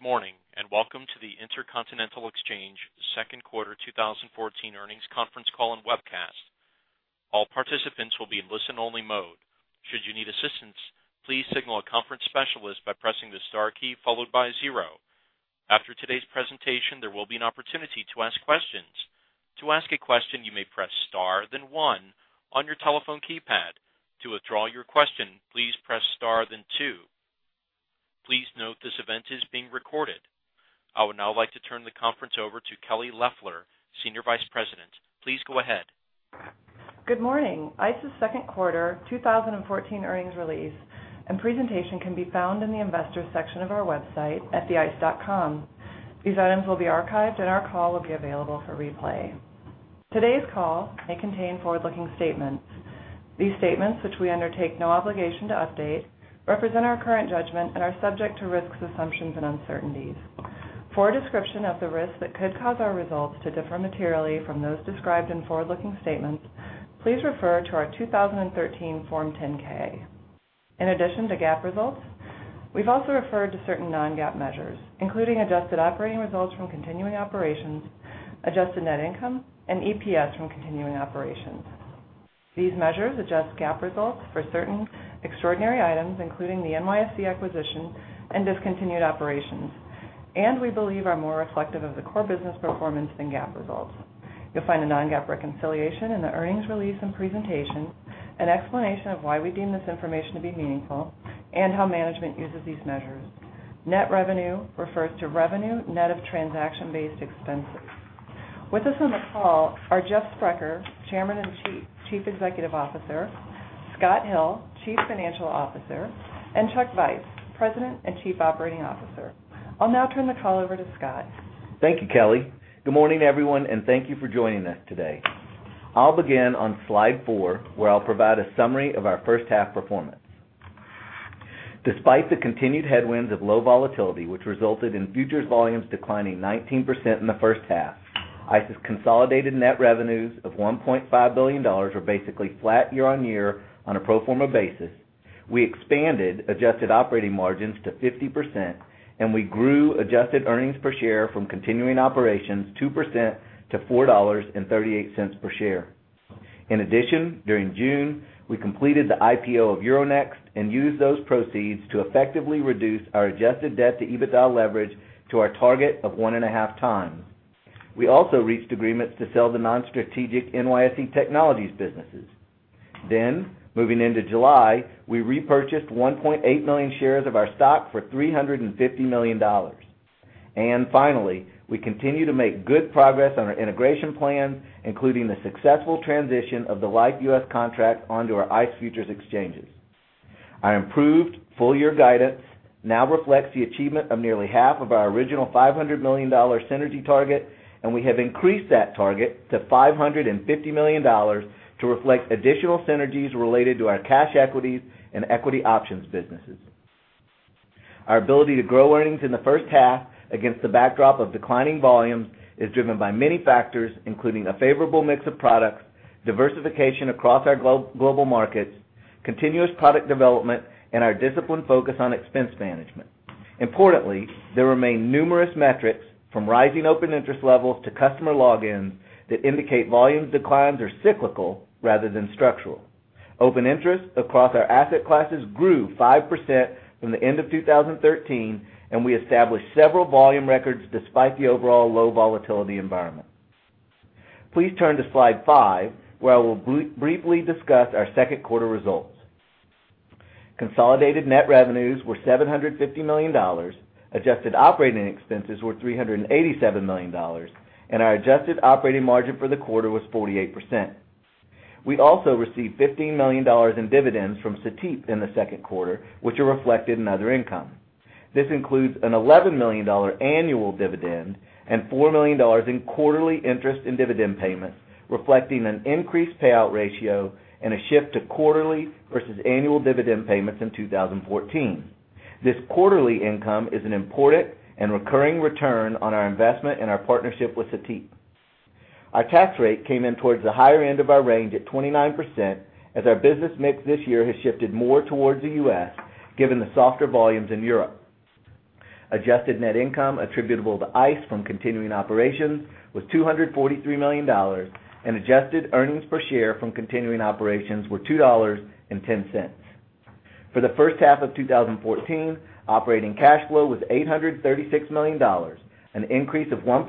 Good morning, and welcome to the Intercontinental Exchange second quarter 2014 earnings conference call and webcast. All participants will be in listen-only mode. Should you need assistance, please signal a conference specialist by pressing the star key followed by zero. After today's presentation, there will be an opportunity to ask questions. To ask a question, you may press star then one on your telephone keypad. To withdraw your question, please press star then two. Please note this event is being recorded. I would now like to turn the conference over to Kelly Loeffler, Senior Vice President. Please go ahead. Good morning. ICE's second quarter 2014 earnings release and presentation can be found in the investors section of our website at theice.com. Our call will be available for replay. Today's call may contain forward-looking statements. These statements, which we undertake no obligation to update, represent our current judgment and are subject to risks, assumptions, and uncertainties. For a description of the risks that could cause our results to differ materially from those described in forward-looking statements, please refer to our 2013 Form 10-K. In addition to GAAP results, we've also referred to certain non-GAAP measures, including adjusted operating results from continuing operations, adjusted net income, and EPS from continuing operations. These measures adjust GAAP results for certain extraordinary items, including the NYSE acquisition and discontinued operations. We believe are more reflective of the core business performance than GAAP results. You'll find a non-GAAP reconciliation in the earnings release and presentation, an explanation of why we deem this information to be meaningful. How management uses these measures. Net revenue refers to revenue net of transaction-based expenses. With us on the call are Jeff Sprecher, Chairman and Chief Executive Officer, Scott Hill, Chief Financial Officer, and Chuck Vice, President and Chief Operating Officer. I'll now turn the call over to Scott. Thank you, Kelly. Good morning, everyone. Thank you for joining us today. I'll begin on slide four, where I'll provide a summary of our first half performance. Despite the continued headwinds of low volatility, which resulted in futures volumes declining 19% in the first half, ICE's consolidated net revenues of $1.5 billion were basically flat year-on-year on a pro forma basis. We expanded adjusted operating margins to 50%. We grew adjusted earnings per share from continuing operations 2% to $4.38 per share. In addition, during June, we completed the IPO of Euronext. Used those proceeds to effectively reduce our adjusted debt to EBITDA leverage to our target of one and a half times. We also reached agreements to sell the non-strategic NYSE technologies businesses. Moving into July, we repurchased 1.8 million shares of our stock for $350 million. Finally, we continue to make good progress on our integration plan, including the successful transition of the Liffe U.S. contract onto our ICE futures exchanges. Our improved full-year guidance now reflects the achievement of nearly half of our original $500 million synergy target, and we have increased that target to $550 million to reflect additional synergies related to our cash equities and equity options businesses. Our ability to grow earnings in the first half against the backdrop of declining volumes is driven by many factors, including a favorable mix of products, diversification across our global markets, continuous product development, and our disciplined focus on expense management. Importantly, there remain numerous metrics, from rising open interest levels to customer logins, that indicate volume declines are cyclical rather than structural. Open interest across our asset classes grew 5% from the end of 2013, we established several volume records despite the overall low volatility environment. Please turn to slide five, where I will briefly discuss our second quarter results. Consolidated net revenues were $750 million, adjusted operating expenses were $387 million, our adjusted operating margin for the quarter was 48%. We also received $15 million in dividends from Cetip in the second quarter, which are reflected in other income. This includes an $11 million annual dividend, $4 million in quarterly interest and dividend payments, reflecting an increased payout ratio and a shift to quarterly versus annual dividend payments in 2014. This quarterly income is an important and recurring return on our investment in our partnership with Cetip. Our tax rate came in towards the higher end of our range at 29%, as our business mix this year has shifted more towards the U.S., given the softer volumes in Europe. Adjusted net income attributable to ICE from continuing operations was $243 million, adjusted earnings per share from continuing operations were $2.10. For the first half of 2014, operating cash flow was $836 million, an increase of 1%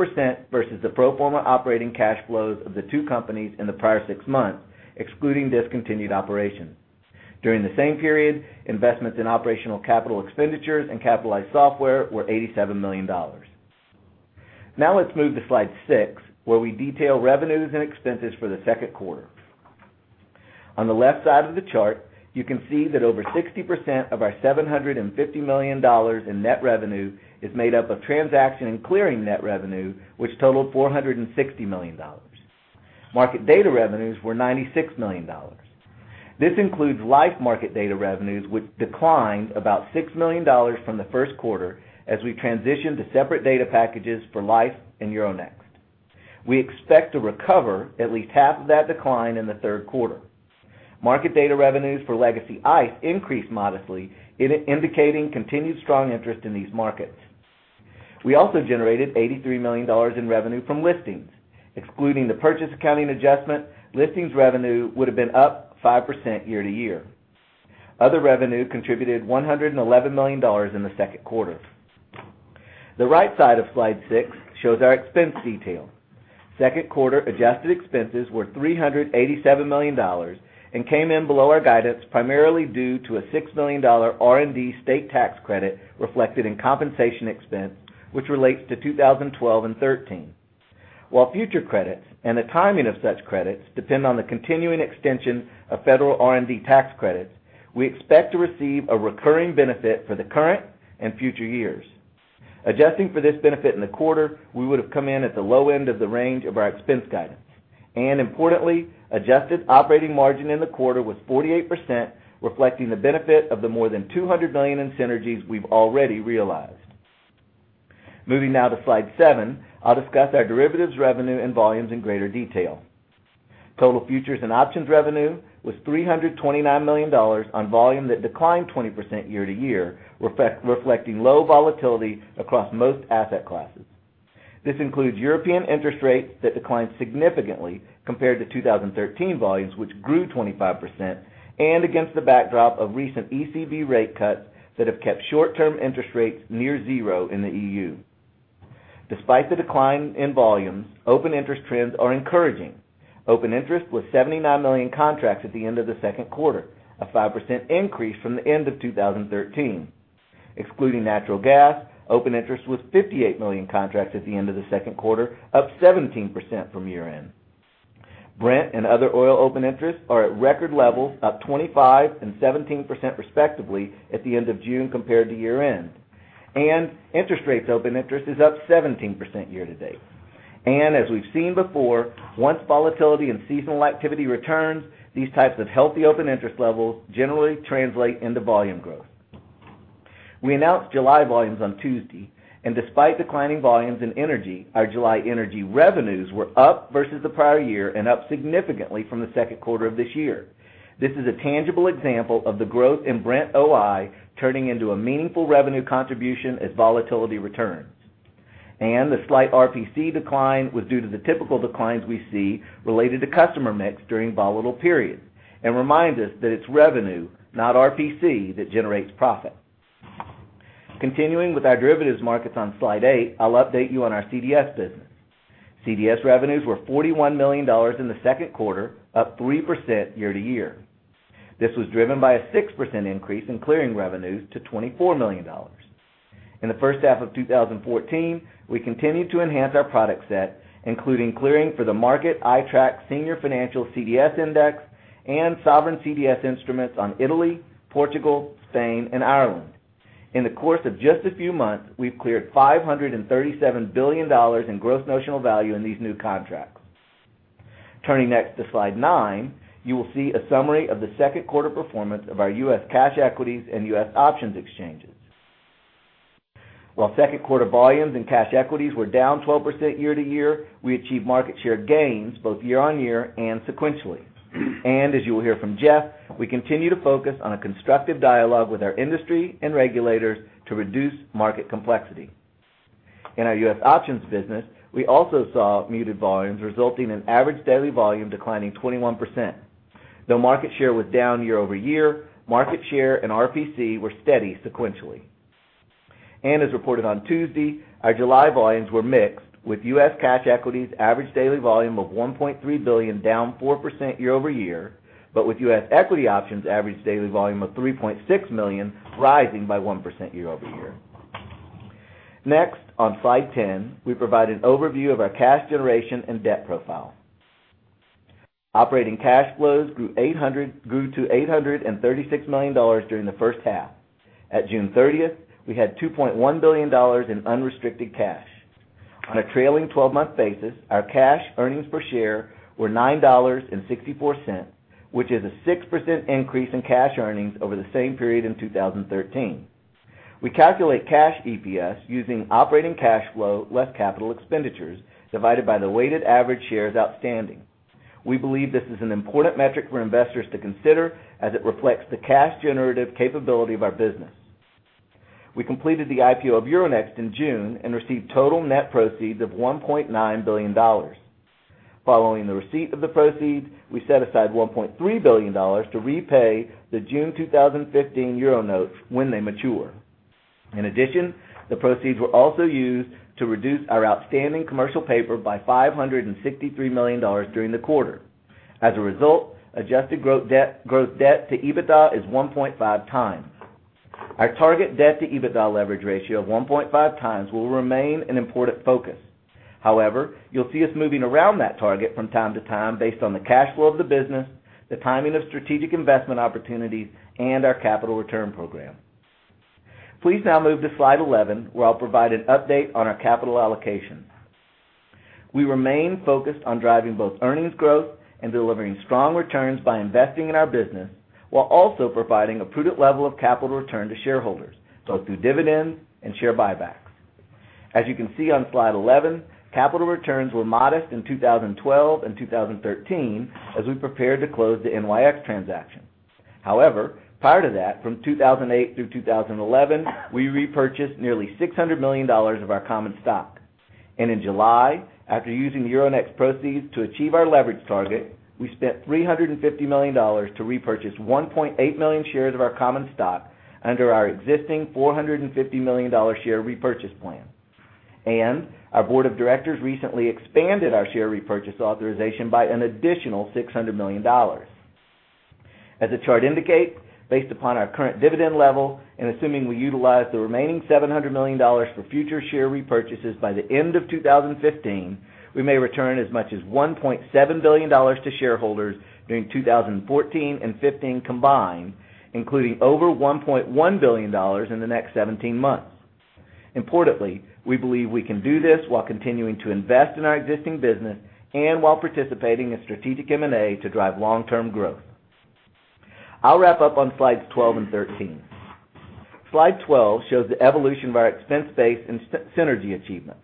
versus the pro forma operating cash flows of the two companies in the prior six months, excluding discontinued operations. During the same period, investments in operational capital expenditures and capitalized software were $87 million. Let's move to slide six, where we detail revenues and expenses for the second quarter. Left side of the chart, you can see that over 60% of our $750 million in net revenue is made up of transaction and clearing net revenue, which totaled $460 million. Market data revenues were $96 million. This includes Liffe market data revenues, which declined about $6 million from the first quarter as we transition to separate data packages for Liffe and Euronext. We expect to recover at least half of that decline in the third quarter. Market data revenues for Legacy ICE increased modestly, indicating continued strong interest in these markets. We also generated $83 million in revenue from listings, excluding the purchase accounting adjustment, listings revenue would have been up 5% year-over-year. Other revenue contributed $111 million in the second quarter. Right side of slide six shows our expense detail. Second quarter adjusted expenses were $387 million and came in below our guidance, primarily due to a $6 million R&D state tax credit reflected in compensation expense, which relates to 2012 and 2013. While future credits and the timing of such credits depend on the continuing extension of federal R&D tax credits, we expect to receive a recurring benefit for the current and future years. Adjusting for this benefit in the quarter, we would've come in at the low end of the range of our expense guidance. Importantly, adjusted operating margin in the quarter was 48%, reflecting the benefit of the more than $200 million in synergies we've already realized. Moving now to slide seven, I'll discuss our derivatives revenue and volumes in greater detail. Total futures and options revenue was $329 million on volume that declined 20% year-to-year, reflecting low volatility across most asset classes. This includes European interest rates that declined significantly compared to 2013 volumes, which grew 25%, and against the backdrop of recent ECB rate cuts that have kept short-term interest rates near zero in the EU. Despite the decline in volumes, open interest trends are encouraging. Open interest was 79 million contracts at the end of the second quarter, a 5% increase from the end of 2013. Excluding natural gas, open interest was 58 million contracts at the end of the second quarter, up 17% from year-end. Brent and other oil open interest are at record levels, up 25% and 17% respectively at the end of June compared to year-end. Interest rates open interest is up 17% year-to-date. As we've seen before, once volatility and seasonal activity returns, these types of healthy open interest levels generally translate into volume growth. We announced July volumes on Tuesday. Despite declining volumes in energy, our July energy revenues were up versus the prior year and up significantly from the second quarter of this year. This is a tangible example of the growth in Brent OI turning into a meaningful revenue contribution as volatility returns. The slight RPC decline was due to the typical declines we see related to customer mix during volatile periods and reminds us that it's revenue, not RPC, that generates profit. Continuing with our derivatives markets on Slide 8, I'll update you on our CDS business. CDS revenues were $41 million in the second quarter, up 3% year-to-year. This was driven by a 6% increase in clearing revenues to $24 million. In the first half of 2014, we continued to enhance our product set, including clearing for the market iTraxx Senior Financial CDS Index and sovereign CDS instruments on Italy, Portugal, Spain, and Ireland. In the course of just a few months, we've cleared $537 billion in gross notional value in these new contracts. Turning next to slide nine, you will see a summary of the second quarter performance of our U.S. cash equities and U.S. options exchanges. While second quarter volumes and cash equities were down 12% year-to-year, we achieved market share gains both year-on-year and sequentially. As you will hear from Jeff, we continue to focus on a constructive dialogue with our industry and regulators to reduce market complexity. In our U.S. options business, we also saw muted volumes resulting in average daily volume declining 21%. Though market share was down year-over-year, market share and RPC were steady sequentially. As reported on Tuesday, our July volumes were mixed with U.S. cash equities average daily volume of $1.3 billion, down 4% year-over-year, but with U.S. equity options average daily volume of $3.6 million, rising by 1% year-over-year. Next, on slide 10, we provide an overview of our cash generation and debt profile. Operating cash flows grew to $836 million during the first half. At June 30th, we had $2.1 billion in unrestricted cash. On a trailing 12-month basis, our cash earnings per share were $9.64, which is a 6% increase in cash earnings over the same period in 2013. We calculate cash EPS using operating cash flow less capital expenditures, divided by the weighted average shares outstanding. We believe this is an important metric for investors to consider as it reflects the cash generative capability of our business. We completed the IPO of Euronext in June and received total net proceeds of $1.9 billion. Following the receipt of the proceeds, we set aside $1.3 billion to repay the June 2015 Euro notes when they mature. In addition, the proceeds were also used to reduce our outstanding commercial paper by $563 million during the quarter. As a result, adjusted growth debt to EBITDA is 1.5 times. Our target debt to EBITDA leverage ratio of 1.5 times will remain an important focus. You'll see us moving around that target from time to time based on the cash flow of the business, the timing of strategic investment opportunities, and our capital return program. Please now move to slide 11, where I'll provide an update on our capital allocation. We remain focused on driving both earnings growth and delivering strong returns by investing in our business while also providing a prudent level of capital return to shareholders, both through dividends and share buybacks. As you can see on slide 11, capital returns were modest in 2012 and 2013 as we prepared to close the NYX transaction. Prior to that, from 2008 through 2011, we repurchased nearly $600 million of our common stock. In July, after using Euronext proceeds to achieve our leverage target, we spent $350 million to repurchase 1.8 million shares of our common stock under our existing $450 million share repurchase plan. Our board of directors recently expanded our share repurchase authorization by an additional $600 million. As the chart indicates, based upon our current dividend level and assuming we utilize the remaining $700 million for future share repurchases by the end of 2015, we may return as much as $1.7 billion to shareholders during 2014 and 2015 combined, including over $1.1 billion in the next 17 months. Importantly, we believe we can do this while continuing to invest in our existing business and while participating in strategic M&A to drive long-term growth. I'll wrap up on slides 12 and 13. Slide 12 shows the evolution of our expense base and synergy achievements.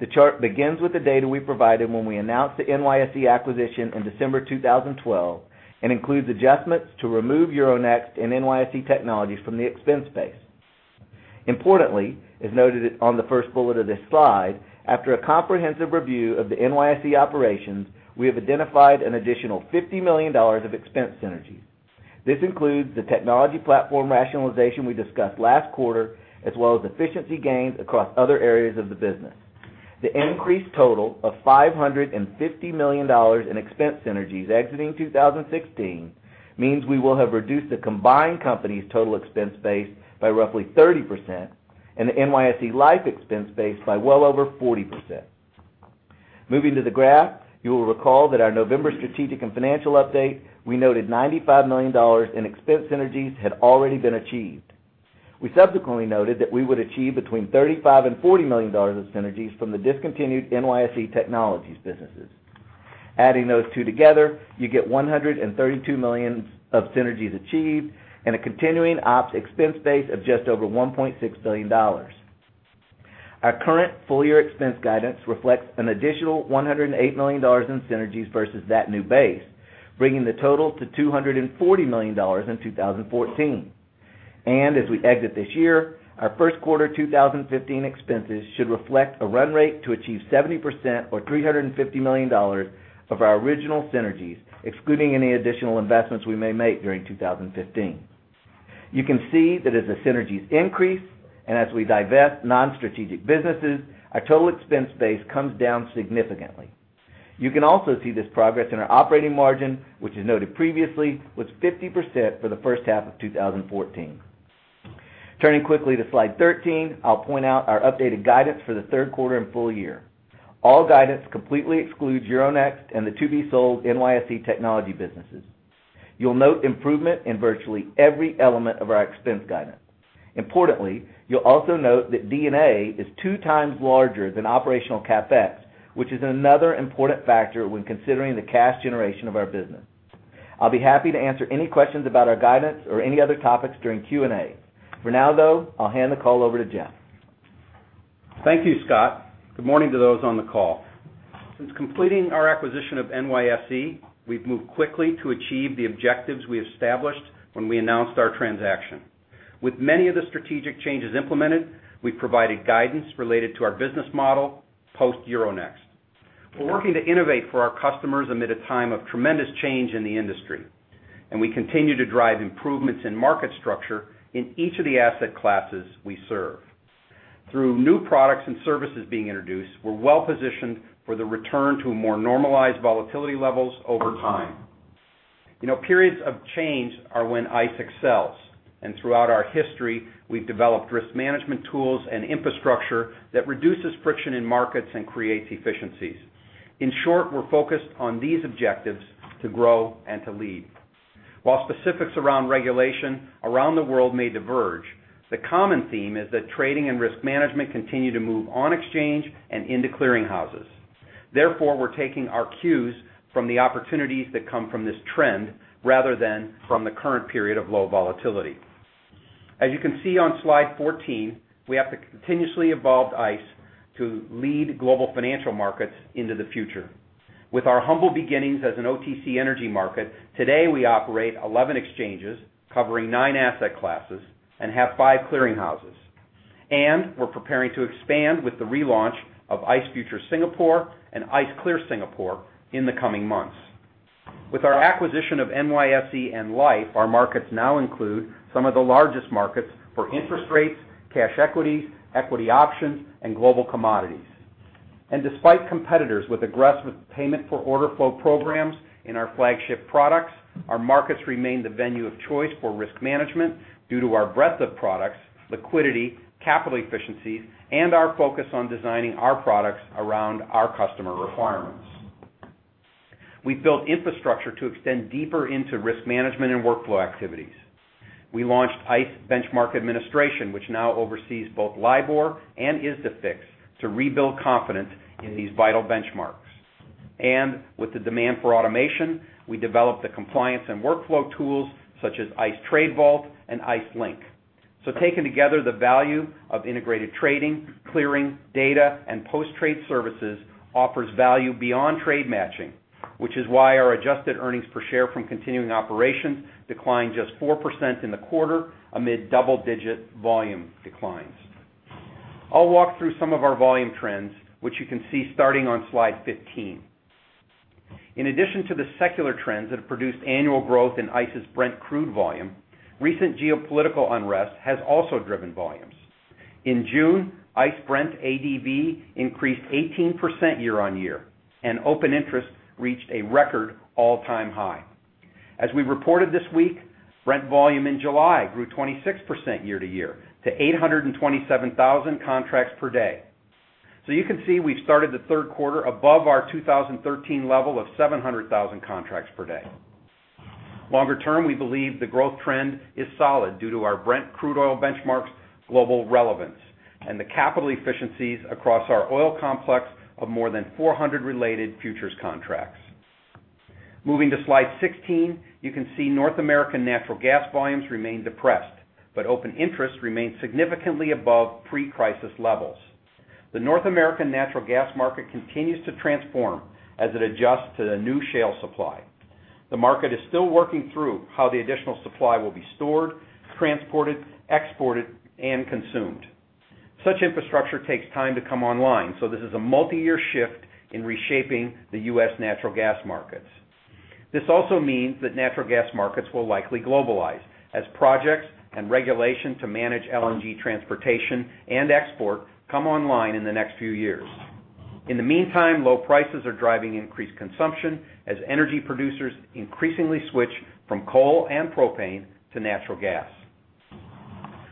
The chart begins with the data we provided when we announced the NYSE acquisition in December 2012. Includes adjustments to remove Euronext and NYSE technologies from the expense base. Importantly, as noted on the first bullet of this slide, after a comprehensive review of the NYSE operations, we have identified an additional $50 million of expense synergies. This includes the technology platform rationalization we discussed last quarter, as well as efficiency gains across other areas of the business. The increased total of $550 million in expense synergies exiting 2016 means we will have reduced the combined company's total expense base by roughly 30% and the NYSE Liffe expense base by well over 40%. Moving to the graph, you will recall that our November strategic and financial update, we noted $95 million in expense synergies had already been achieved. We subsequently noted that we would achieve between $35 million and $40 million of synergies from the discontinued NYSE technology businesses. Adding those two together, you get $132 million of synergies achieved and a continuing ops expense base of just over $1.6 billion. Our current full-year expense guidance reflects an additional $108 million in synergies versus that new base, bringing the total to $240 million in 2014. As we exit this year, our first quarter 2015 expenses should reflect a run rate to achieve 70%, or $350 million of our original synergies, excluding any additional investments we may make during 2015. You can see that as the synergies increase and as we divest non-strategic businesses, our total expense base comes down significantly. You can also see this progress in our operating margin, which is noted previously, was 50% for the first half of 2014. Turning quickly to slide 13, I'll point out our updated guidance for the third quarter and full year. All guidance completely excludes Euronext and the to-be-sold NYSE technology businesses. You'll note improvement in virtually every element of our expense guidance. Importantly, you'll also note that D&A is two times larger than operational CapEx, which is another important factor when considering the cash generation of our business. I'll be happy to answer any questions about our guidance or any other topics during Q&A. For now, though, I'll hand the call over to Jeff. Thank you, Scott. Good morning to those on the call. Since completing our acquisition of NYSE, we've moved quickly to achieve the objectives we established when we announced our transaction. With many of the strategic changes implemented, we've provided guidance related to our business model post Euronext. We're working to innovate for our customers amid a time of tremendous change in the industry, and we continue to drive improvements in market structure in each of the asset classes we serve. Through new products and services being introduced, we're well positioned for the return to more normalized volatility levels over time. Periods of change are when ICE excels, and throughout our history, we've developed risk management tools and infrastructure that reduces friction in markets and creates efficiencies. In short, we're focused on these objectives to grow and to lead. While specifics around regulation around the world may diverge, the common theme is that trading and risk management continue to move on exchange and into clearing houses. Therefore, we're taking our cues from the opportunities that come from this trend rather than from the current period of low volatility. As you can see on slide 14, we have continuously evolved ICE to lead global financial markets into the future. With our humble beginnings as an OTC energy market, today we operate 11 exchanges covering nine asset classes and have five clearing houses. We're preparing to expand with the relaunch of ICE Futures Singapore and ICE Clear Singapore in the coming months. With our acquisition of NYSE and Liffe, our markets now include some of the largest markets for interest rates, cash equities, equity options, and global commodities. Despite competitors with aggressive payment for order flow programs in our flagship products, our markets remain the venue of choice for risk management due to our breadth of products, liquidity, capital efficiencies, and our focus on designing our products around our customer requirements. We've built infrastructure to extend deeper into risk management and workflow activities. We launched ICE Benchmark Administration, which now oversees both LIBOR and ISDAfix to rebuild confidence in these vital benchmarks. With the demand for automation, we developed the compliance and workflow tools such as ICE Trade Vault and ICE Link. Taken together, the value of integrated trading, clearing, data, and post-trade services offers value beyond trade matching, which is why our adjusted earnings per share from continuing operations declined just 4% in the quarter amid double-digit volume declines. I'll walk through some of our volume trends, which you can see starting on slide 15. In addition to the secular trends that have produced annual growth in ICE's Brent crude volume, recent geopolitical unrest has also driven volumes. In June, ICE Brent ADV increased 18% year-on-year, and open interest reached a record all-time high. As we reported this week, Brent volume in July grew 26% year to year to 827,000 contracts per day. You can see we've started the third quarter above our 2013 level of 700,000 contracts per day. Longer term, we believe the growth trend is solid due to our Brent crude oil benchmark's global relevance and the capital efficiencies across our oil complex of more than 400 related futures contracts. Moving to slide 16, you can see North American natural gas volumes remain depressed, but open interest remains significantly above pre-crisis levels. The North American natural gas market continues to transform as it adjusts to the new shale supply. The market is still working through how the additional supply will be stored, transported, exported, and consumed. Such infrastructure takes time to come online, so this is a multi-year shift in reshaping the U.S. natural gas markets. This also means that natural gas markets will likely globalize as projects and regulation to manage LNG transportation and export come online in the next few years. In the meantime, low prices are driving increased consumption as energy producers increasingly switch from coal and propane to natural gas.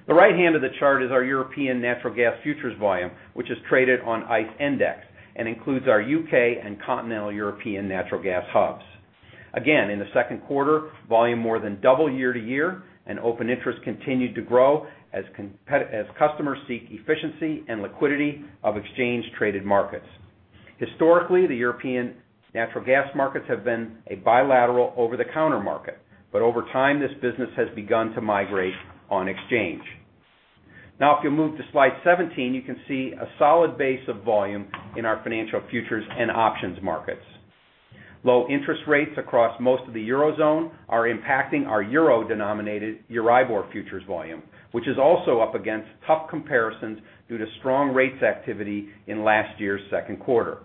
The right hand of the chart is our European natural gas futures volume, which is traded on ICE Endex and includes our U.K. and continental European natural gas hubs. In the second quarter, volume more than doubled year-to-year, and open interest continued to grow as customers seek efficiency and liquidity of exchange traded markets. Historically, the European natural gas markets have been a bilateral over-the-counter market, but over time, this business has begun to migrate on exchange. If you'll move to slide 17, you can see a solid base of volume in our financial futures and options markets. Low interest rates across most of the Eurozone are impacting our euro-denominated EURIBOR futures volume, which is also up against tough comparisons due to strong rates activity in last year's second quarter.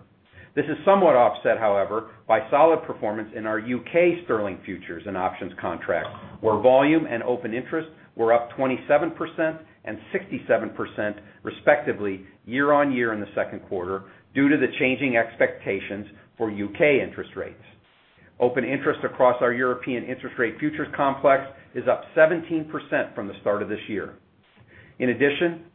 This is somewhat offset, however, by solid performance in our U.K. sterling futures and options contracts, where volume and open interest were up 27% and 67% respectively year-on-year in the second quarter due to the changing expectations for U.K. interest rates. Open interest across our European interest rate futures complex is up 17% from the start of this year.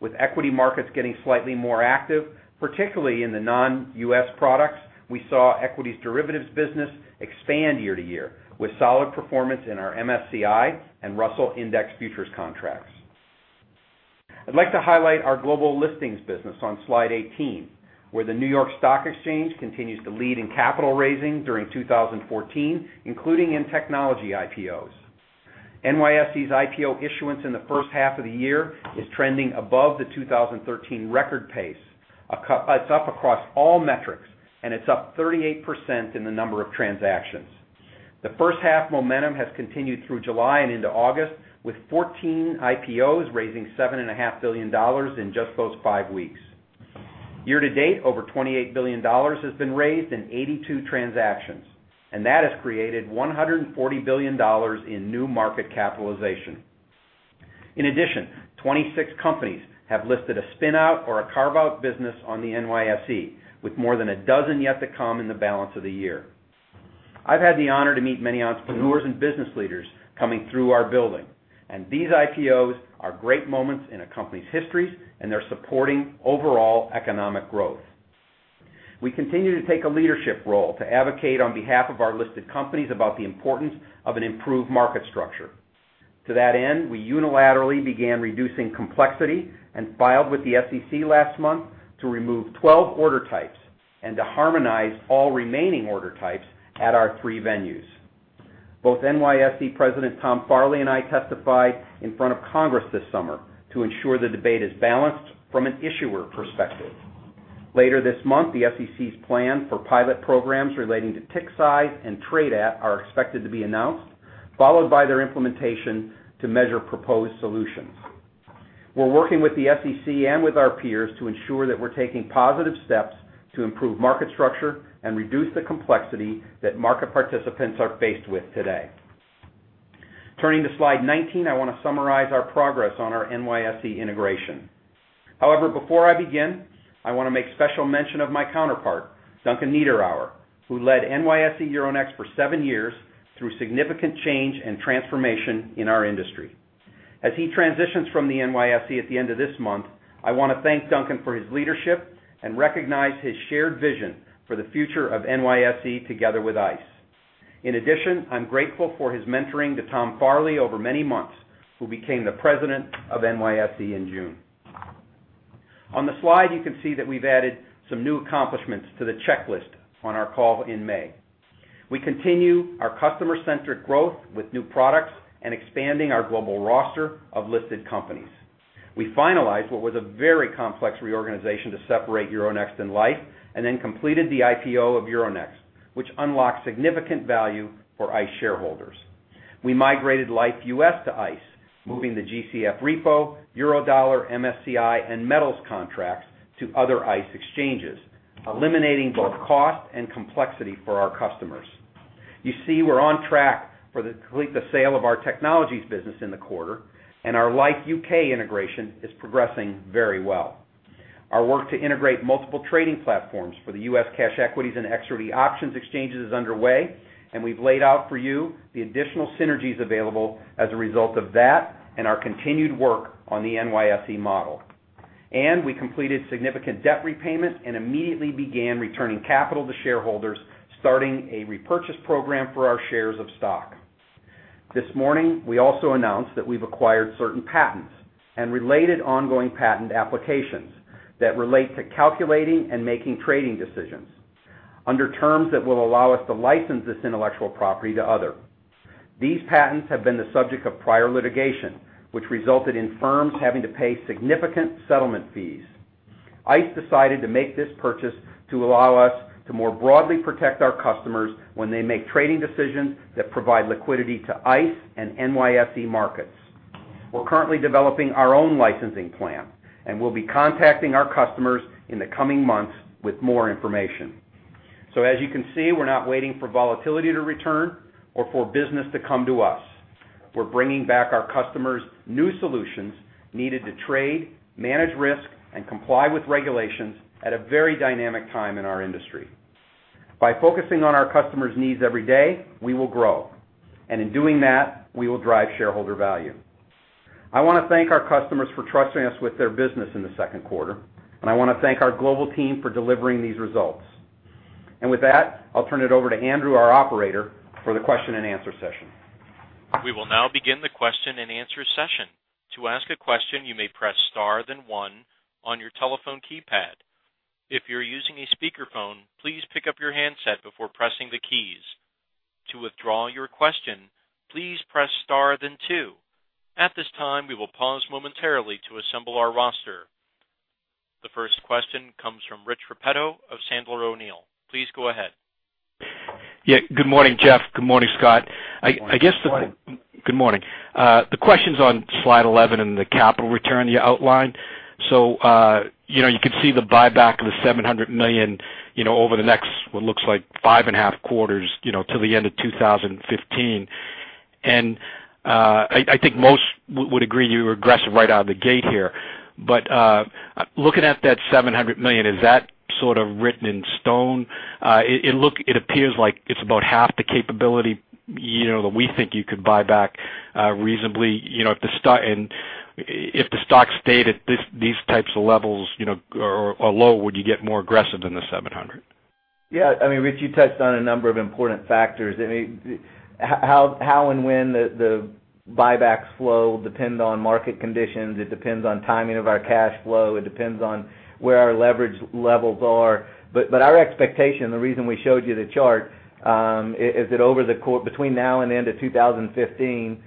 With equity markets getting slightly more active, particularly in the non-U.S. products, we saw equities derivatives business expand year-to-year with solid performance in our MSCI and Russell Index futures contracts. I'd like to highlight our global listings business on slide 18, where the New York Stock Exchange continues to lead in capital raising during 2014, including in technology IPOs. NYSE's IPO issuance in the first half of the year is trending above the 2013 record pace. It's up across all metrics, and it's up 38% in the number of transactions. The first half momentum has continued through July and into August, with 14 IPOs raising $7.5 billion in just those five weeks. Year-to-date, over $28 billion has been raised in 82 transactions, that has created $140 billion in new market capitalization. 26 companies have listed a spin-out or a carve-out business on the NYSE, with more than a dozen yet to come in the balance of the year. I've had the honor to meet many entrepreneurs and business leaders coming through our building, these IPOs are great moments in a company's histories, and they're supporting overall economic growth. We continue to take a leadership role to advocate on behalf of our listed companies about the importance of an improved market structure. To that end, we unilaterally began reducing complexity and filed with the SEC last month to remove 12 order types and to harmonize all remaining order types at our three venues. Both NYSE President Tom Farley and I testified in front of Congress this summer to ensure the debate is balanced from an issuer perspective. Later this month, the SEC's plan for pilot programs relating to tick size and trade are expected to be announced, followed by their implementation to measure proposed solutions. We're working with the SEC and with our peers to ensure that we're taking positive steps to improve market structure and reduce the complexity that market participants are faced with today. Turning to slide 19, I want to summarize our progress on our NYSE integration. Before I begin, I want to make special mention of my counterpart, Duncan Niederauer, who led NYSE Euronext for seven years through significant change and transformation in our industry. As he transitions from the NYSE at the end of this month, I want to thank Duncan for his leadership and recognize his shared vision for the future of NYSE, together with ICE. In addition, I'm grateful for his mentoring to Tom Farley over many months, who became the president of NYSE in June. On the slide, you can see that we've added some new accomplishments to the checklist on our call in May. We continue our customer-centric growth with new products and expanding our global roster of listed companies. We finalized what was a very complex reorganization to separate Euronext and Liffe, and then completed the IPO of Euronext, which unlocked significant value for ICE shareholders. We migrated Liffe U.S. to ICE, moving the GCF Repo, Eurodollar, MSCI, and Metals contracts to other ICE exchanges, eliminating both cost and complexity for our customers. You see, we're on track to complete the sale of our technologies business in the quarter, and our Liffe U.K. integration is progressing very well. Our work to integrate multiple trading platforms for the U.S. cash equities and equity options exchanges is underway, and we've laid out for you the additional synergies available as a result of that and our continued work on the NYSE model. We completed significant debt repayment and immediately began returning capital to shareholders, starting a repurchase program for our shares of stock. This morning, we also announced that we've acquired certain patents and related ongoing patent applications that relate to calculating and making trading decisions under terms that will allow us to license this intellectual property to others. These patents have been the subject of prior litigation, which resulted in firms having to pay significant settlement fees. ICE decided to make this purchase to allow us to more broadly protect our customers when they make trading decisions that provide liquidity to ICE and NYSE markets. We're currently developing our own licensing plan, and we'll be contacting our customers in the coming months with more information. As you can see, we're not waiting for volatility to return or for business to come to us. We're bringing back our customers new solutions needed to trade, manage risk, and comply with regulations at a very dynamic time in our industry. By focusing on our customers' needs every day, we will grow, and in doing that, we will drive shareholder value. I want to thank our customers for trusting us with their business in the second quarter, and I want to thank our global team for delivering these results. With that, I'll turn it over to Andrew, our operator, for the question and answer session. We will now begin the question and answer session. To ask a question, you may press star, then one on your telephone keypad. If you're using a speakerphone, please pick up your handset before pressing the keys. To withdraw your question, please press star then two. At this time, we will pause momentarily to assemble our roster. The first question comes from Rich Repetto of Sandler O'Neill. Please go ahead. Yeah. Good morning, Jeff. Good morning, Scott. Good morning. Good morning. The question's on slide 11 and the capital return you outlined. You could see the buyback of the $700 million over the next, what looks like, five and a half quarters, till the end of 2015. I think most would agree you were aggressive right out of the gate here. Looking at that $700 million, is that sort of written in stone? It appears like it's about half the capability, that we think you could buy back reasonably. If the stock stayed at these types of levels, or low, would you get more aggressive than the $700? Yeah, Rich Repetto, you touched on a number of important factors. How and when the buybacks flow depend on market conditions. It depends on timing of our cash flow. It depends on where our leverage levels are. Our expectation, the reason we showed you the chart, is that between now and the end of 2015,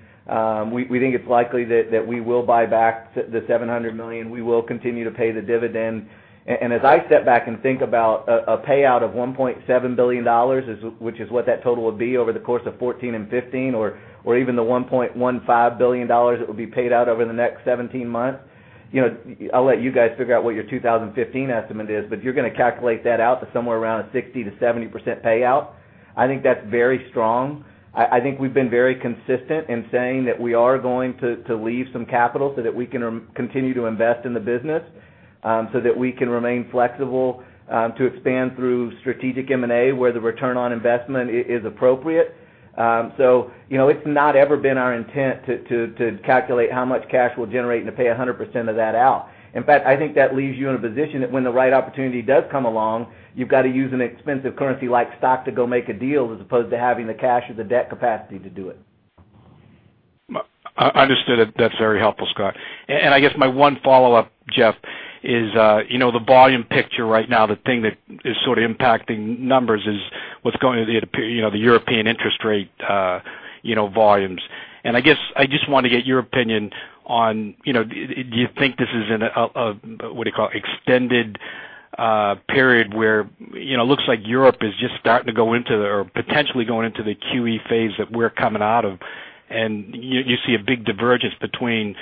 we think it's likely that we will buy back the $700 million. We will continue to pay the dividend. As I step back and think about a payout of $1.7 billion, which is what that total would be over the course of 2014 and 2015, or even the $1.15 billion that will be paid out over the next 17 months. I'll let you guys figure out what your 2015 estimate is, but you're going to calculate that out to somewhere around a 60%-70% payout. I think that's very strong. I think we've been very consistent in saying that we are going to leave some capital so that we can continue to invest in the business, so that we can remain flexible to expand through strategic M&A, where the return on investment is appropriate. It's not ever been our intent to calculate how much cash we'll generate and to pay 100% of that out. In fact, I think that leaves you in a position that when the right opportunity does come along, you've got to use an expensive currency like stock to go make a deal, as opposed to having the cash or the debt capacity to do it. Understood. That's very helpful, Scott Hill. I guess my one follow-up, Jeff Sprecher, is the volume picture right now, the thing that is sort of impacting numbers is what's going on with the European interest rate volumes. I guess I just want to get your opinion on, do you think this is an extended period where it looks like Europe is just starting to go into, or potentially going into the QE phase that we're coming out of. You see a big divergence between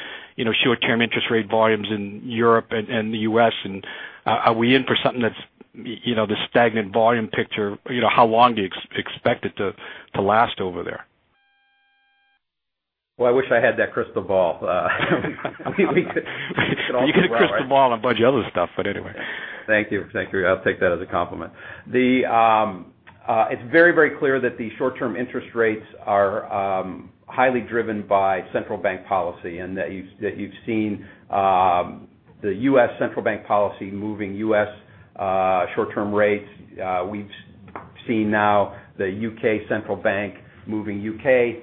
short-term interest rate volumes in Europe and the U.S. Are we in for something that's the stagnant volume picture? How long do you expect it to last over there? Well, I wish I had that crystal ball. You get a crystal ball on a bunch of other stuff, but anyway. Thank you. I'll take that as a compliment. It's very clear that the short-term interest rates are highly driven by central bank policy, and that you've seen the U.S. central bank policy moving U.S. short-term rates. We've seen now the U.K. central bank moving U.K.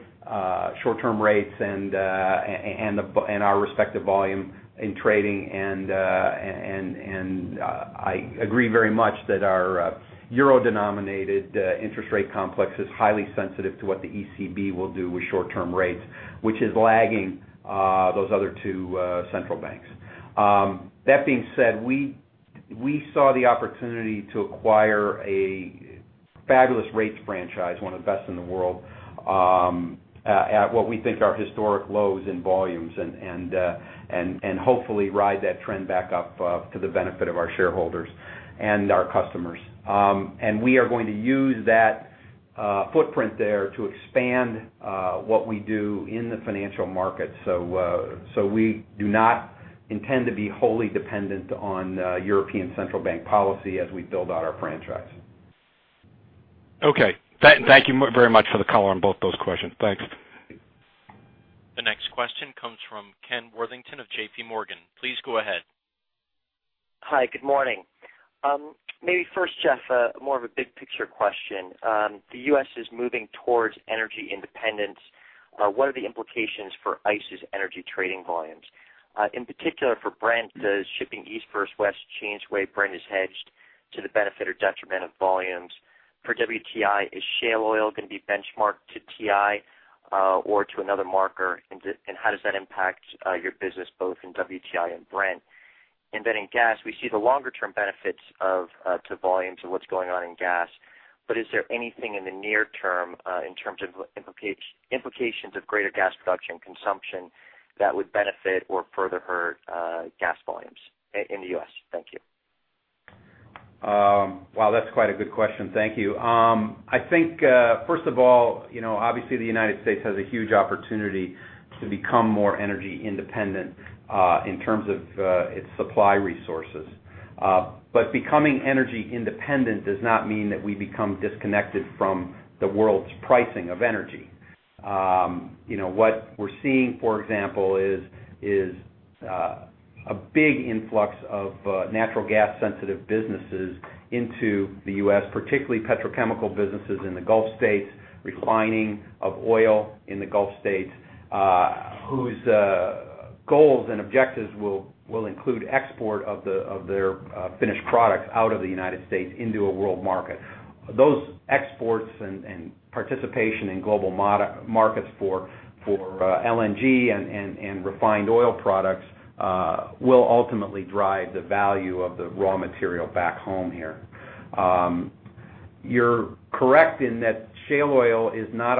short-term rates and our respective volume in trading, I agree very much that our euro-denominated interest rate complex is highly sensitive to what the ECB will do with short-term rates, which is lagging those other two central banks. That being said, we saw the opportunity to acquire a fabulous rates franchise, one of the best in the world, at what we think are historic lows in volumes, and hopefully ride that trend back up for the benefit of our shareholders and our customers. We are going to use that footprint there to expand what we do in the financial markets. We do not intend to be wholly dependent on European Central Bank policy as we build out our franchise. Okay. Thank you very much for the color on both those questions. Thanks. The next question comes from Ken Worthington of JPMorgan. Please go ahead. Hi. Good morning. Maybe first, Jeff, more of a big picture question. The U.S. is moving towards energy independence. What are the implications for ICE's energy trading volumes? In particular for Brent, does shipping east first west change the way Brent is hedged to the benefit or detriment of volumes? For WTI, is shale oil going to be benchmarked to WTI, or to another marker, and how does that impact your business, both in WTI and Brent? Then in gas, we see the longer-term benefits to volumes of what's going on in gas, but is there anything in the near term, in terms of implications of greater gas production consumption that would benefit or further hurt gas volumes in the U.S.? Thank you. Wow, that's quite a good question. Thank you. I think, first of all, obviously the United States has a huge opportunity to become more energy independent in terms of its supply resources. Becoming energy independent does not mean that we become disconnected from the world's pricing of energy. What we're seeing, for example, is a big influx of natural gas-sensitive businesses into the U.S., particularly petrochemical businesses in the Gulf states, refining of oil in the Gulf states, whose goals and objectives will include export of their finished products out of the United States into a world market. Those exports and participation in global markets for LNG and refined oil products will ultimately drive the value of the raw material back home here. You're correct in that shale oil is not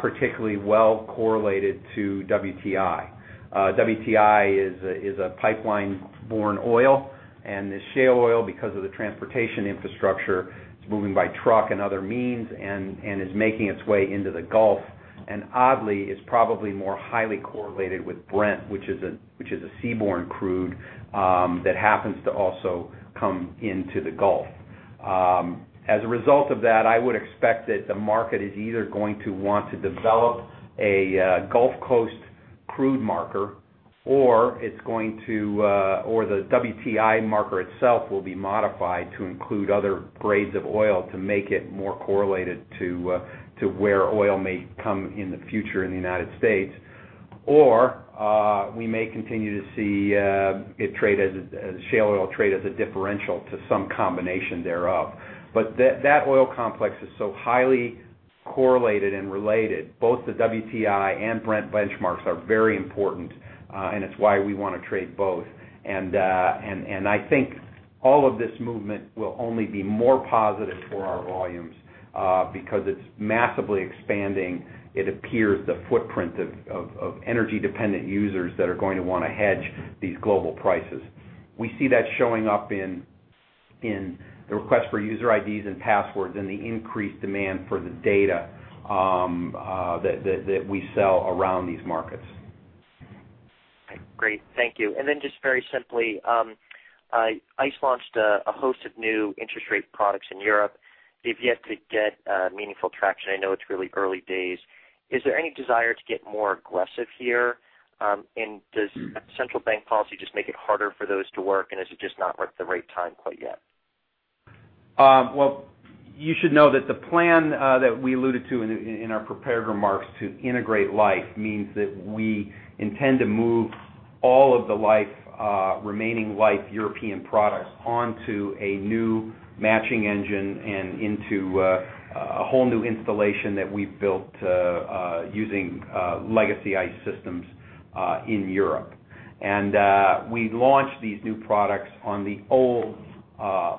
particularly well correlated to WTI. WTI is a pipeline-borne oil, the shale oil, because of the transportation infrastructure, is moving by truck and other means, and is making its way into the Gulf, and oddly, is probably more highly correlated with Brent, which is a seaborne crude, that happens to also come into the Gulf. As a result of that, I would expect that the market is either going to want to develop a Gulf Coast crude marker, or the WTI marker itself will be modified to include other grades of oil to make it more correlated to where oil may come in the future in the United States. We may continue to see shale oil trade as a differential to some combination thereof. That oil complex is so highly correlated and related, both the WTI and Brent benchmarks are very important, and it's why we want to trade both. I think all of this movement will only be more positive for our volumes, because it's massively expanding, it appears, the footprint of energy-dependent users that are going to want to hedge these global prices. We see that showing up in the request for user IDs and passwords and the increased demand for the data that we sell around these markets. Great. Thank you. Then just very simply, ICE launched a host of new interest rate products in Europe. They've yet to get meaningful traction. I know it's really early days. Is there any desire to get more aggressive here? Does central bank policy just make it harder for those to work, and is it just not the right time quite yet? Well, you should know that the plan that we alluded to in our prepared remarks to integrate Liffe means that we intend to move all of the remaining Liffe European products onto a new matching engine and into a whole new installation that we've built using legacy ICE systems in Europe. We launched these new products on the old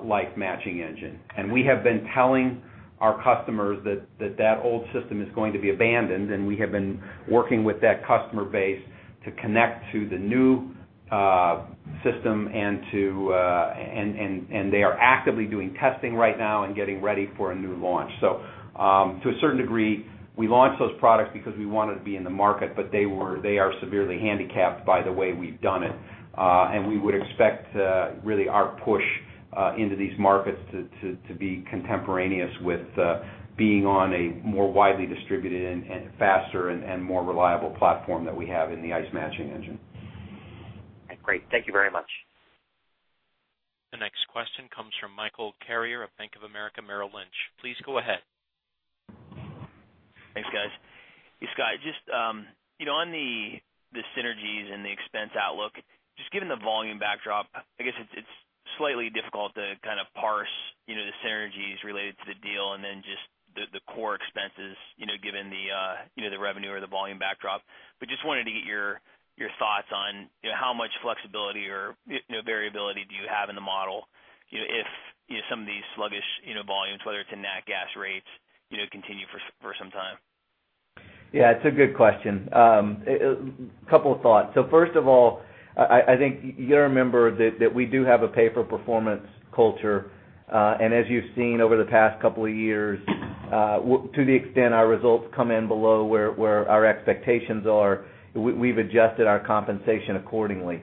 Liffe matching engine. We have been telling. Our customers that old system is going to be abandoned, and we have been working with that customer base to connect to the new system and they are actively doing testing right now and getting ready for a new launch. To a certain degree, we launched those products because we wanted to be in the market, but they are severely handicapped by the way we've done it. We would expect really our push into these markets to be contemporaneous with being on a more widely distributed and faster and more reliable platform that we have in the ICE Matching Engine. Great. Thank you very much. The next question comes from Michael Carrier of Bank of America Merrill Lynch. Please go ahead. Thanks, guys. Scott, just on the synergies and the expense outlook, just given the volume backdrop, I guess it's slightly difficult to kind of parse the synergies related to the deal and then just the core expenses, given the revenue or the volume backdrop. Just wanted to get your thoughts on how much flexibility or variability do you have in the model if some of these sluggish volumes, whether it's in nat gas rates continue for some time. Yeah, it's a good question. Couple of thoughts. First of all, I think you got to remember that we do have a pay-for-performance culture. As you've seen over the past couple of years, to the extent our results come in below where our expectations are, we've adjusted our compensation accordingly.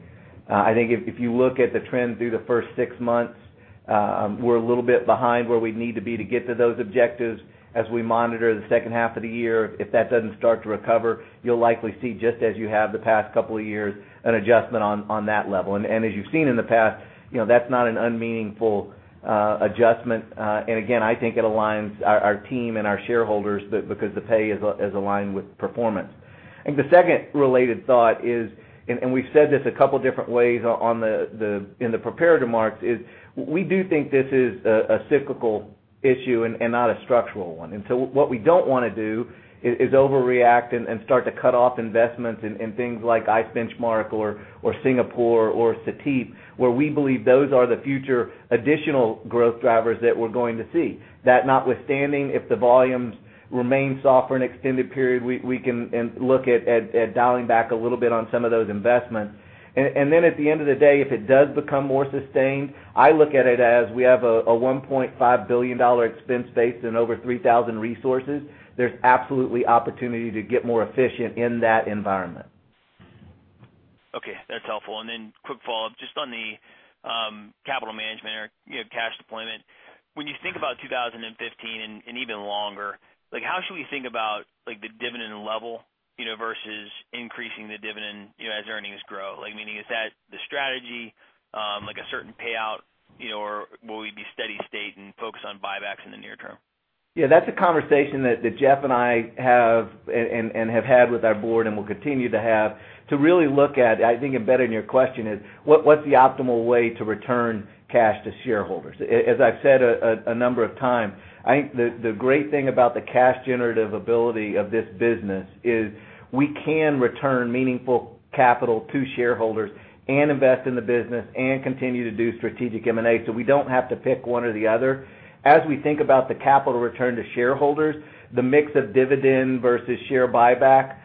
I think if you look at the trends through the first six months, we're a little bit behind where we need to be to get to those objectives. As we monitor the second half of the year, if that doesn't start to recover, you'll likely see, just as you have the past couple of years, an adjustment on that level. As you've seen in the past, that's not an unmeaningful adjustment. Again, I think it aligns our team and our shareholders because the pay is aligned with performance. I think the second related thought is, we've said this a couple different ways in the prepared remarks, is we do think this is a cyclical issue and not a structural one. So what we don't want to do is overreact and start to cut off investments in things like ICE Benchmark or Singapore or SAT, where we believe those are the future additional growth drivers that we're going to see. That notwithstanding, if the volumes remain soft for an extended period, we can look at dialing back a little bit on some of those investments. Then at the end of the day, if it does become more sustained, I look at it as we have a $1.5 billion expense base and over 3,000 resources. There's absolutely opportunity to get more efficient in that environment. Okay, that's helpful. Then quick follow-up, just on the capital management or cash deployment. When you think about 2015 and even longer, how should we think about the dividend level versus increasing the dividend as earnings grow? Meaning, is that the strategy, like a certain payout, or will we be steady state and focus on buybacks in the near term? Yeah, that's a conversation that Jeff and I have and have had with our board and will continue to have to really look at, I think embedded in your question is, what's the optimal way to return cash to shareholders? As I've said a number of times, I think the great thing about the cash generative ability of this business is we can return meaningful capital to shareholders and invest in the business and continue to do strategic M&A, we don't have to pick one or the other. As we think about the capital return to shareholders, the mix of dividend versus share buyback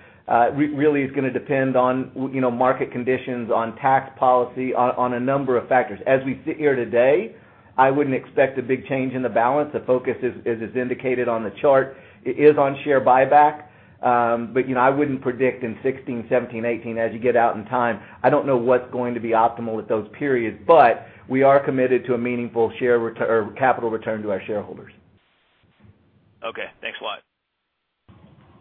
really is going to depend on market conditions, on tax policy, on a number of factors. As we sit here today, I wouldn't expect a big change in the balance. The focus, as is indicated on the chart, is on share buyback. I wouldn't predict in 2016, 2017, 2018, as you get out in time, I don't know what's going to be optimal at those periods. We are committed to a meaningful capital return to our shareholders. Okay, thanks a lot.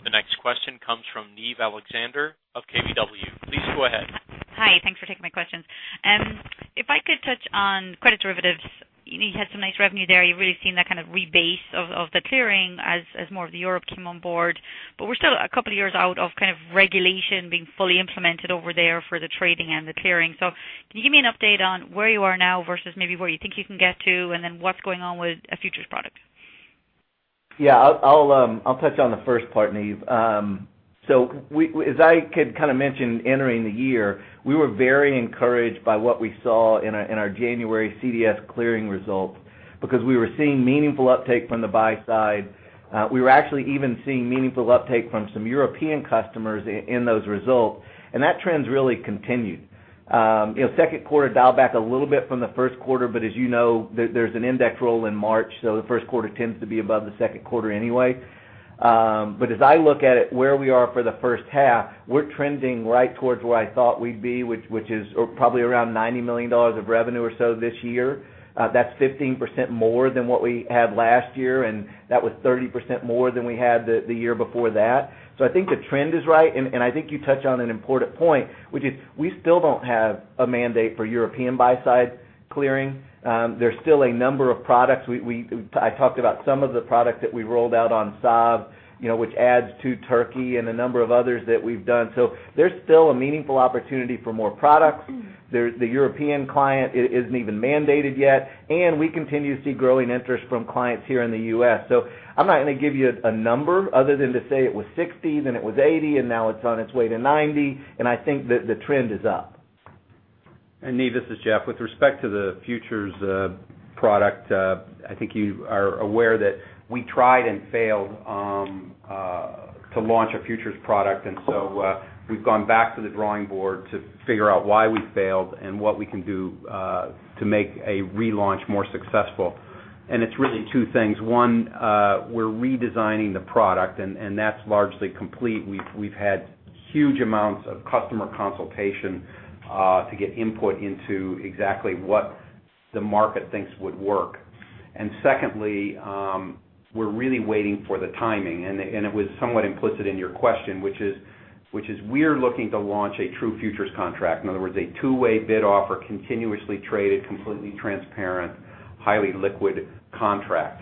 The next question comes from Niamh Alexander of KBW. Please go ahead. Hi, thanks for taking my questions. If I could touch on credit derivatives. You had some nice revenue there. You've really seen that kind of rebase of the clearing as more of the Europe came on board. We're still a couple of years out of kind of regulation being fully implemented over there for the trading and the clearing. Can you give me an update on where you are now versus maybe where you think you can get to, and then what's going on with a futures product? Yeah, I'll touch on the first part, Nive. As I kind of mentioned, entering the year, we were very encouraged by what we saw in our January CDS clearing results because we were seeing meaningful uptake from the buy side. We were actually even seeing meaningful uptake from some European customers in those results, and that trend's really continued. Second quarter dialed back a little bit from the first quarter, as you know, there's an index roll in March, the first quarter tends to be above the second quarter anyway. As I look at it, where we are for the first half, we're trending right towards where I thought we'd be, which is probably around $90 million of revenue or so this year. That's 15% more than what we had last year, and that was 30% more than we had the year before that. I think the trend is right, and I think you touch on an important point, which is we still don't have a mandate for European buy-side clearing. There's still a number of products. I talked about some of the products that we rolled out on Schedule of Values, which adds to Turkey and a number of others that we've done. There's still a meaningful opportunity for more products. The European client isn't even mandated yet, and we continue to see growing interest from clients here in the U.S. I'm not going to give you a number other than to say it was 60, then it was 80, and now it's on its way to 90, and I think that the trend is up. Niamh, this is Jeff. With respect to the futures product, I think you are aware that we tried and failed to launch a futures product. We've gone back to the drawing board to figure out why we failed and what we can do to make a relaunch more successful. It's really two things. One, we're redesigning the product, and that's largely complete. We've had huge amounts of customer consultation, to get input into exactly what the market thinks would work. Secondly, we're really waiting for the timing, and it was somewhat implicit in your question, which is we're looking to launch a true futures contract. In other words, a two-way bid offer, continuously traded, completely transparent, highly liquid contract.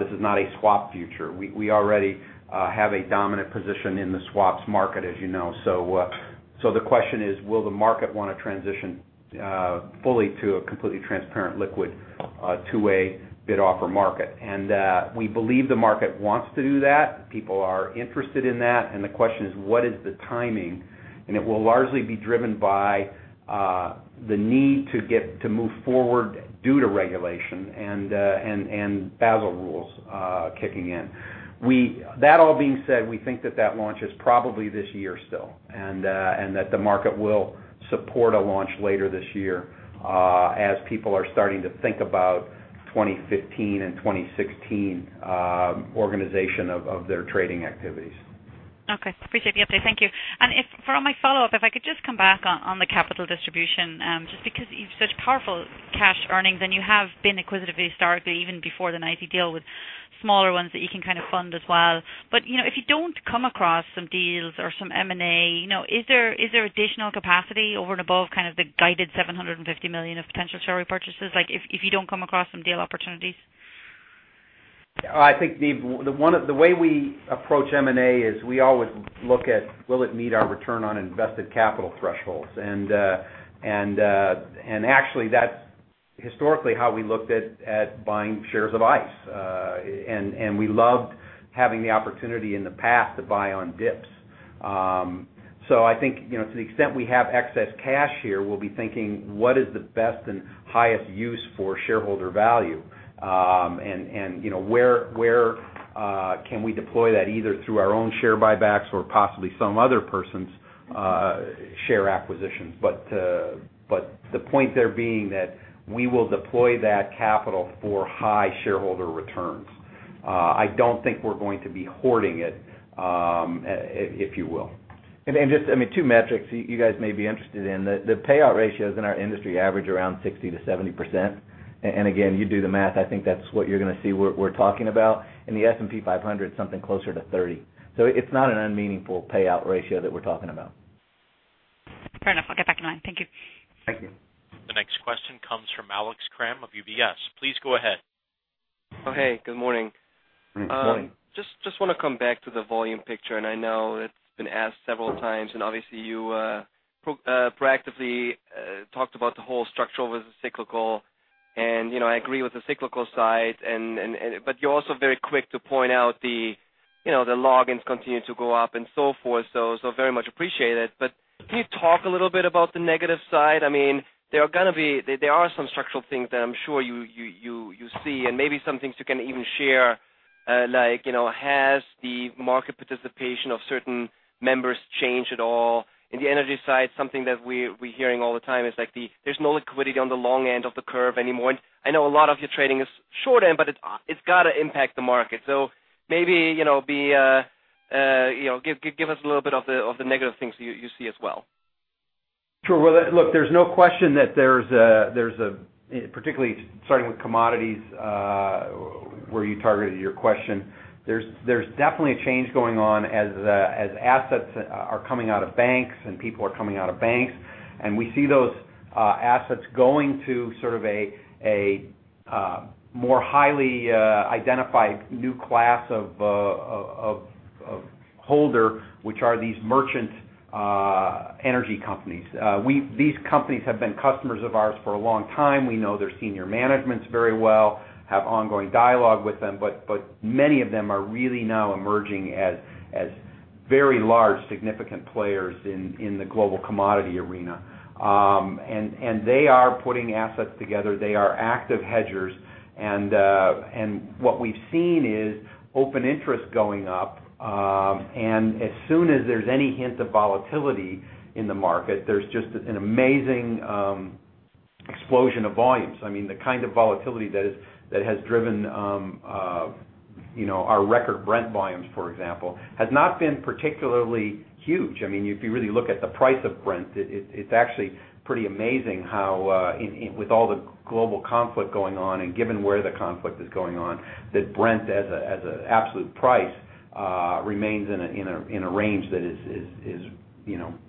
This is not a swap future. We already have a dominant position in the swaps market, as you know. The question is, will the market want to transition fully to a completely transparent liquid, two-way bid offer market? We believe the market wants to do that. People are interested in that. The question is, what is the timing? It will largely be driven by the need to move forward due to regulation and Basel rules kicking in. That all being said, we think that that launch is probably this year still, and that the market will support a launch later this year, as people are starting to think about 2015 and 2016 organization of their trading activities. Okay. Appreciate the update. Thank you. For my follow-up, if I could just come back on the capital distribution, just because you've such powerful cash earnings and you have been acquisitive historically, even before the ICE deal with smaller ones that you can kind of fund as well. If you don't come across some deals or some M&A, is there additional capacity over and above kind of the guided $750 million of potential share repurchases, if you don't come across some deal opportunities? I think, Niamh, the way we approach M&A is we always look at will it meet our return on invested capital thresholds? Actually, that's historically how we looked at buying shares of ICE. We loved having the opportunity in the past to buy on dips. I think, to the extent we have excess cash here, we'll be thinking, what is the best and highest use for shareholder value? Where can we deploy that either through our own share buybacks or possibly some other person's share acquisitions. The point there being that we will deploy that capital for high shareholder returns. I don't think we're going to be hoarding it, if you will. Just, two metrics you guys may be interested in. The payout ratios in our industry average around 60%-70%. Again, you do the math, I think that's what you're going to see we're talking about. In the S&P 500, something closer to 30. It's not an unmeaningful payout ratio that we're talking about. Fair enough. I'll get back in line. Thank you. Thank you. The next question comes from Alex Kramm of UBS. Please go ahead. Oh, hey, good morning. Good morning. Just want to come back to the volume picture, and I know it's been asked several times, and obviously you proactively talked about the whole structural versus cyclical, and I agree with the cyclical side, but you're also very quick to point out the logins continue to go up and so forth. Very much appreciate it. Can you talk a little bit about the negative side? There are some structural things that I'm sure you see, and maybe some things you can even share, like has the market participation of certain members changed at all? In the energy side, something that we're hearing all the time is there's no liquidity on the long end of the curve anymore. I know a lot of your trading is short end, but it's got to impact the market. Maybe, give us a little bit of the negative things you see as well. Sure. Look, there's no question that there's a, particularly starting with commodities, where you targeted your question, there's definitely a change going on as assets are coming out of banks and people are coming out of banks, and we see those assets going to sort of a more highly identified new class of holder, which are these merchant energy companies. These companies have been customers of ours for a long time. We know their senior managements very well, have ongoing dialogue with them, but many of them are really now emerging as very large, significant players in the global commodity arena. They are putting assets together. They are active hedgers. What we've seen is open interest going up, and as soon as there's any hint of volatility in the market, there's just an amazing explosion of volumes. The kind of volatility that has driven our record Brent volumes, for example, has not been particularly huge. If you really look at the price of Brent, it's actually pretty amazing how, with all the global conflict going on and given where the conflict is going on, that Brent, as an absolute price, remains in a range that is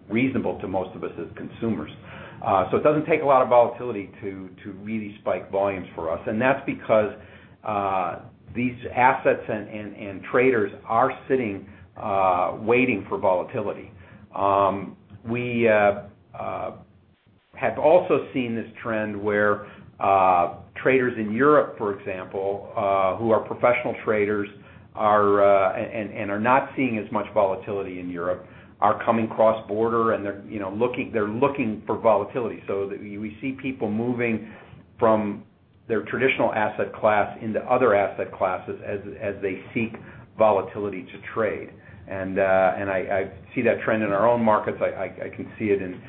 reasonable to most of us as consumers. It doesn't take a lot of volatility to really spike volumes for us, and that's because these assets and traders are sitting, waiting for volatility. We have also seen this trend where traders in Europe, for example, who are professional traders, and are not seeing as much volatility in Europe are coming cross-border, and they're looking for volatility. We see people moving from their traditional asset class into other asset classes as they seek volatility to trade. I see that trend in our own markets. I can see it in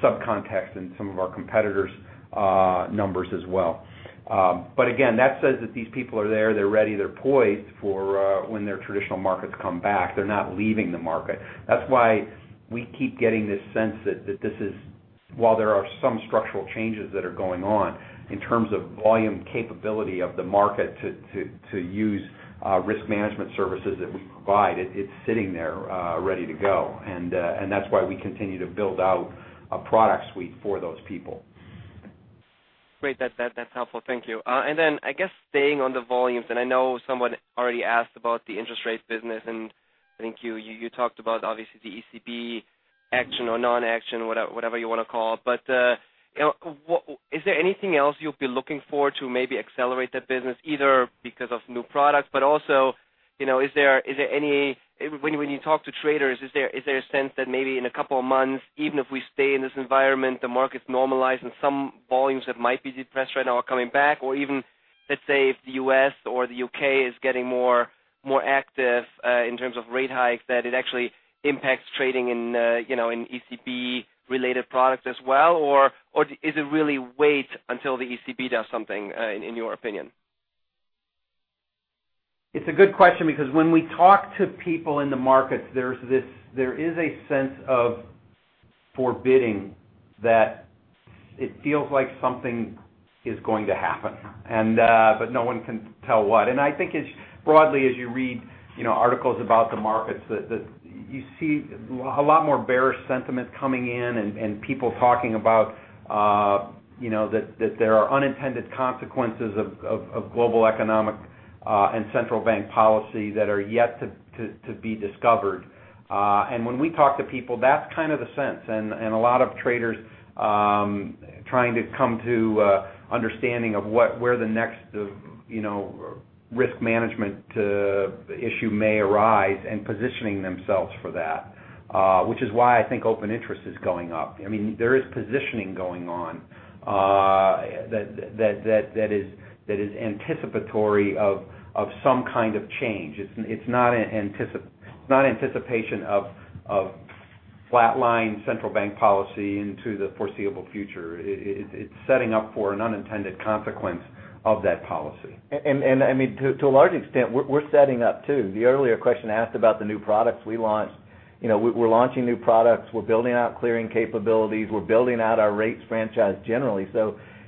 sub-context in some of our competitors' numbers as well. Again, that says that these people are there, they're ready, they're poised for when their traditional markets come back. They're not leaving the market. That's why we keep getting this sense that while there are some structural changes that are going on in terms of volume capability of the market to use risk management services that we provide, it's sitting there, ready to go. That's why we continue to build out a product suite for those people. Great. That's helpful. Thank you. I guess staying on the volumes, I know someone already asked about the interest rates business, I think you talked about, obviously, the ECB action or non-action, whatever you want to call it. Is there anything else you will be looking for to maybe accelerate that business, either because of new products, but also, when you talk to traders, is there a sense that maybe in a couple of months, even if we stay in this environment, the market's normalized and some volumes that might be depressed right now are coming back? Or even, let's say, if the U.S. or the U.K. is getting more active, in terms of rate hikes, that it actually impacts trading in ECB-related products as well? Or, is it really wait until the ECB does something, in your opinion? It's a good question because when we talk to people in the markets, there is a sense of forbidding that it feels like something is going to happen, but no one can tell what. I think it's broadly, as you read articles about the markets, that you see a lot more bearish sentiment coming in and people talking about that there are unintended consequences of global economic and central bank policy that are yet to be discovered. When we talk to people, that's kind of the sense, and a lot of traders trying to come to an understanding of where the next risk management issue may arise and positioning themselves for that. Which is why I think open interest is going up. There is positioning going on that is anticipatory of some kind of change. It's not anticipation of flatline central bank policy into the foreseeable future. It's setting up for an unintended consequence of that policy. To a large extent, we're setting up, too. The earlier question asked about the new products we launched. We're launching new products. We're building out clearing capabilities. We're building out our rates franchise generally.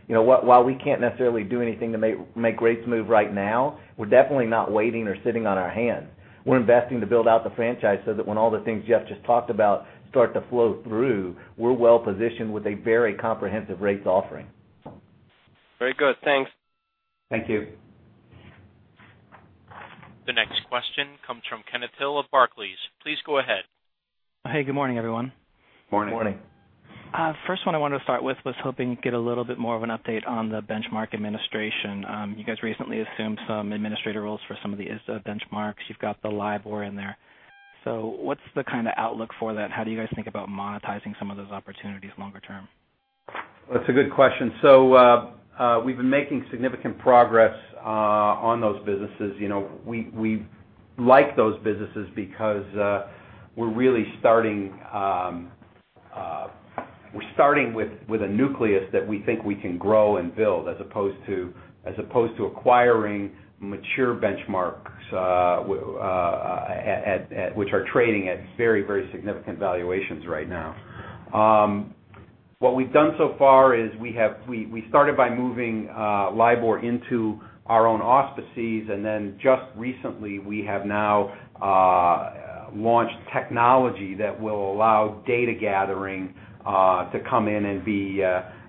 While we can't necessarily do anything to make rates move right now, we're definitely not waiting or sitting on our hands. We're investing to build out the franchise so that when all the things Jeff just talked about start to flow through, we're well-positioned with a very comprehensive rates offering. Very good. Thanks. Thank you. The next question comes from Kenneth Hill of Barclays. Please go ahead. Hey, good morning, everyone. Morning. Morning. First one I wanted to start with was hoping to get a little bit more of an update on the benchmark administration. You guys recently assumed some administrator roles for some of the ISDA benchmarks. You've got the LIBOR in there. What's the kind of outlook for that? How do you guys think about monetizing some of those opportunities longer term? That's a good question. We've been making significant progress on those businesses. We like those businesses because we're starting with a nucleus that we think we can grow and build as opposed to acquiring mature benchmarks which are trading at very, very significant valuations right now. What we've done so far is we started by moving LIBOR into our own auspices, and then just recently, we have now launched technology that will allow data gathering, to come in and be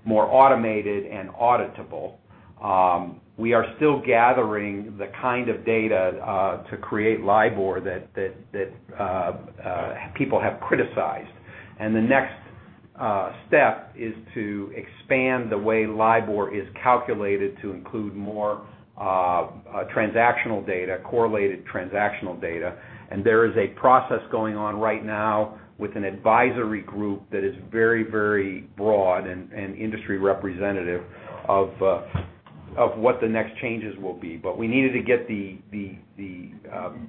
more automated and auditable. We are still gathering the kind of data to create LIBOR that people have criticized. The next step is to expand the way LIBOR is calculated to include more transactional data, correlated transactional data. There is a process going on right now with an advisory group that is very broad and industry representative of what the next changes will be. We needed to get the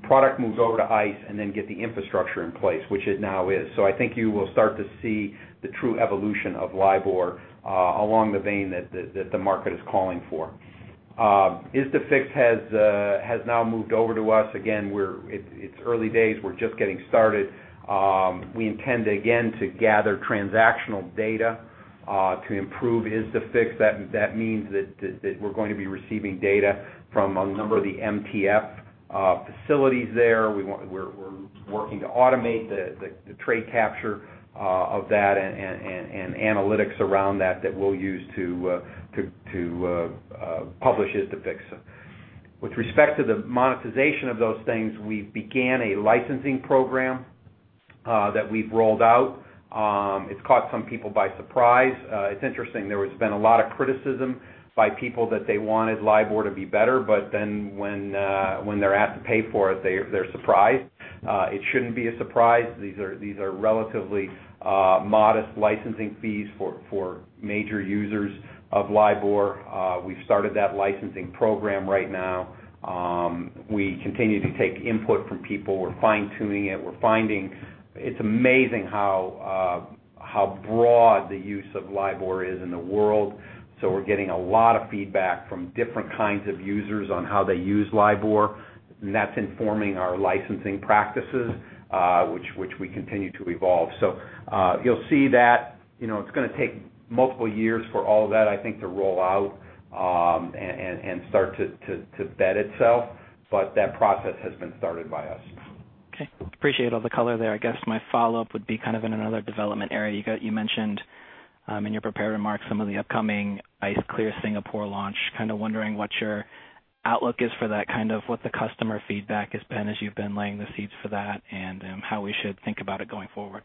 product moved over to ICE and then get the infrastructure in place, which it now is. I think you will start to see the true evolution of LIBOR along the vein that the market is calling for. ISDAfix has now moved over to us. Again, it's early days. We're just getting started. We intend, again, to gather transactional data, to improve ISDAfix. That means that we're going to be receiving data from a number of the MTF facilities there. We're working to automate the trade capture of that and analytics around that that we'll use to publish ISDAfix. With respect to the monetization of those things, we began a licensing program that we've rolled out. It's caught some people by surprise. It's interesting, there has been a lot of criticism by people that they wanted LIBOR to be better, but then when they're asked to pay for it, they're surprised. It shouldn't be a surprise. These are relatively modest licensing fees for major users of LIBOR. We've started that licensing program right now. We continue to take input from people. We're fine-tuning it. We're finding it's amazing how broad the use of LIBOR is in the world. We're getting a lot of feedback from different kinds of users on how they use LIBOR, and that's informing our licensing practices which we continue to evolve. You'll see that it's going to take multiple years for all that, I think, to roll out, and start to bed itself. That process has been started by us. Okay. Appreciate all the color there. I guess my follow-up would be kind of in another development area. You mentioned in your prepared remarks some of the upcoming ICE Clear Singapore launch, kind of wondering what your outlook is for that, what the customer feedback has been as you've been laying the seeds for that, and how we should think about it going forward.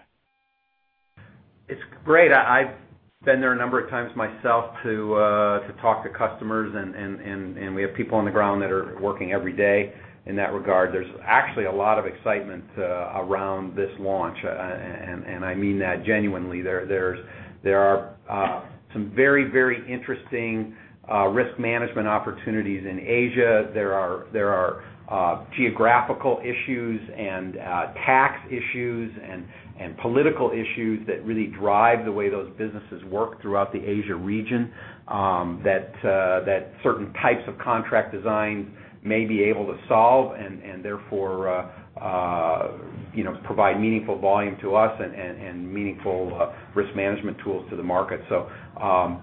It's great. I've been there a number of times myself to talk to customers, and we have people on the ground that are working every day in that regard. There's actually a lot of excitement around this launch, and I mean that genuinely. There are some very interesting risk management opportunities in Asia. There are geographical issues and tax issues and political issues that really drive the way those businesses work throughout the Asia region, that certain types of contract design may be able to solve and therefore, provide meaningful volume to us and meaningful risk management tools to the market.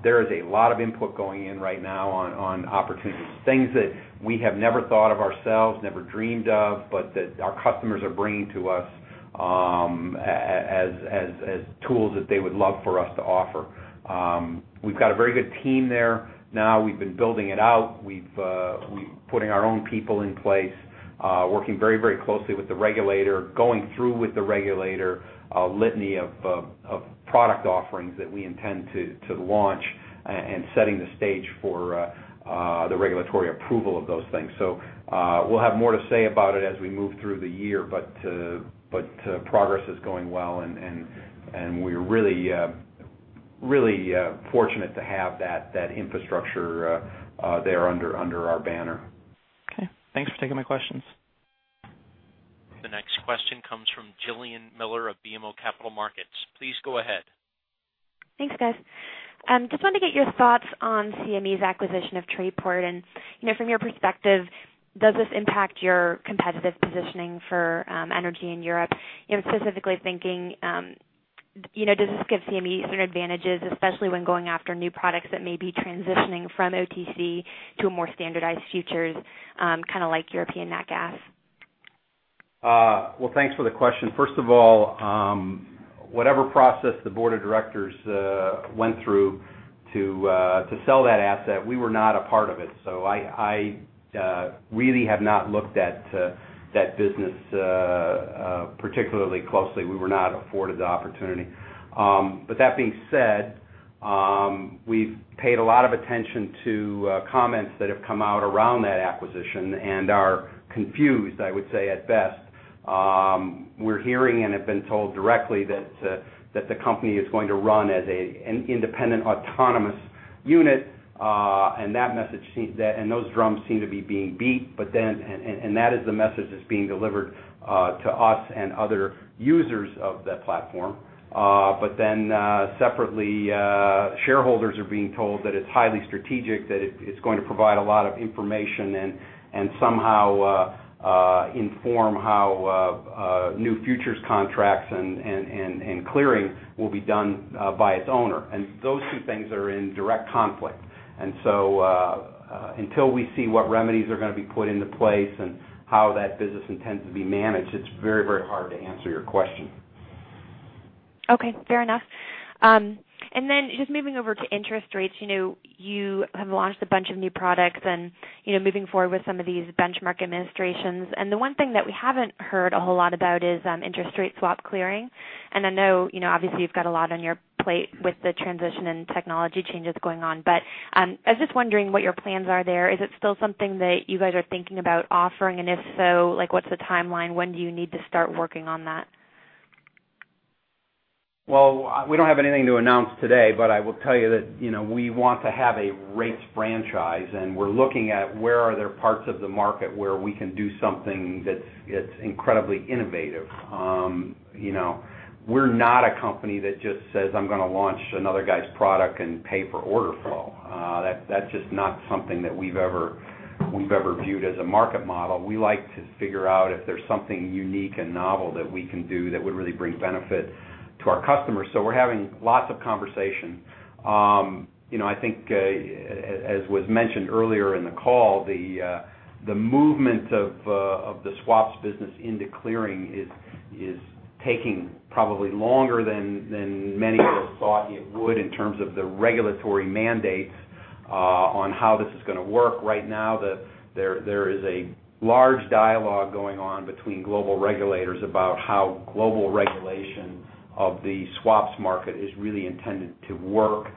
There is a lot of input going in right now on opportunities. Things that we have never thought of ourselves, never dreamed of, but that our customers are bringing to us as tools that they would love for us to offer. We've got a very good team there now. We've been building it out. We're putting our own people in place, working very closely with the regulator, going through with the regulator a litany of product offerings that we intend to launch, and setting the stage for the regulatory approval of those things. We'll have more to say about it as we move through the year, but progress is going well and we're really fortunate to have that infrastructure there under our banner. Okay. Thanks for taking my questions. The next question comes from Jillian Miller of BMO Capital Markets. Please go ahead. Thanks, guys. Just wanted to get your thoughts on CME's acquisition of Trayport, from your perspective, does this impact your competitive positioning for energy in Europe? Specifically thinking, does this give CME certain advantages, especially when going after new products that may be transitioning from OTC to more standardized futures, kind of like European Nat gas? Well, thanks for the question. First of all, whatever process the board of directors went through to sell that asset, we were not a part of it. I really have not looked at that business particularly closely. We were not afforded the opportunity. That being said, we've paid a lot of attention to comments that have come out around that acquisition and are confused, I would say, at best. We're hearing and have been told directly that the company is going to run as an independent, autonomous unit, and those drums seem to be being beat, and that is the message that's being delivered to us and other users of that platform. Separately, shareholders are being told that it's highly strategic, that it's going to provide a lot of information and somehow inform how new futures contracts and clearing will be done by its owner. Those two things are in direct conflict. Until we see what remedies are going to be put into place and how that business intends to be managed, it's very hard to answer your question. Okay, fair enough. Just moving over to interest rates, you have launched a bunch of new products moving forward with some of these benchmark administrations, the one thing that we haven't heard a whole lot about is interest rate swap clearing. I know, obviously, you've got a lot on your plate with the transition technology changes going on, but I was just wondering what your plans are there. Is it still something that you guys are thinking about offering, if so, what's the timeline? When do you need to start working on that? Well, we don't have anything to announce today, I will tell you that we want to have a rates franchise, we're looking at where are there parts of the market where we can do something that's incredibly innovative. We're not a company that just says, "I'm going to launch another guy's product pay for order flow." That's just not something that we've ever viewed as a market model. We like to figure out if there's something unique novel that we can do that would really bring benefit to our customers. We're having lots of conversations. I think, as was mentioned earlier in the call, the movement of the swaps business into clearing is taking probably longer than many had thought it would in terms of the regulatory mandates on how this is going to work. Right now, there is a large dialogue going on between global regulators about how global regulation of the swaps market is really intended to work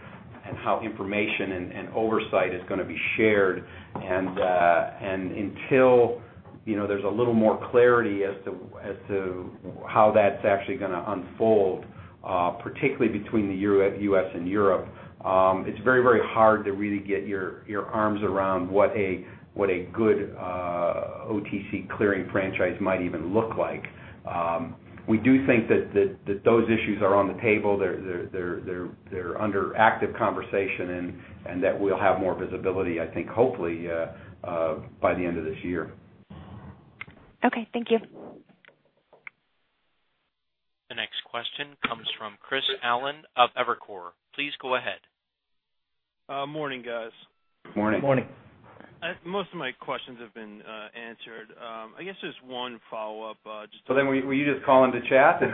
how information oversight is going to be shared. Until there's a little more clarity as to how that's actually going to unfold, particularly between the U.S. Europe, it's very hard to really get your arms around what a good OTC clearing franchise might even look like. We do think that those issues are on the table, they're under active conversation, that we'll have more visibility, I think, hopefully, by the end of this year. Okay. Thank you. The next question comes from Christopher Allen of Evercore. Please go ahead. Morning, guys. Morning. Good morning. Most of my questions have been answered. I guess just one follow-up. Were you just calling to chat? I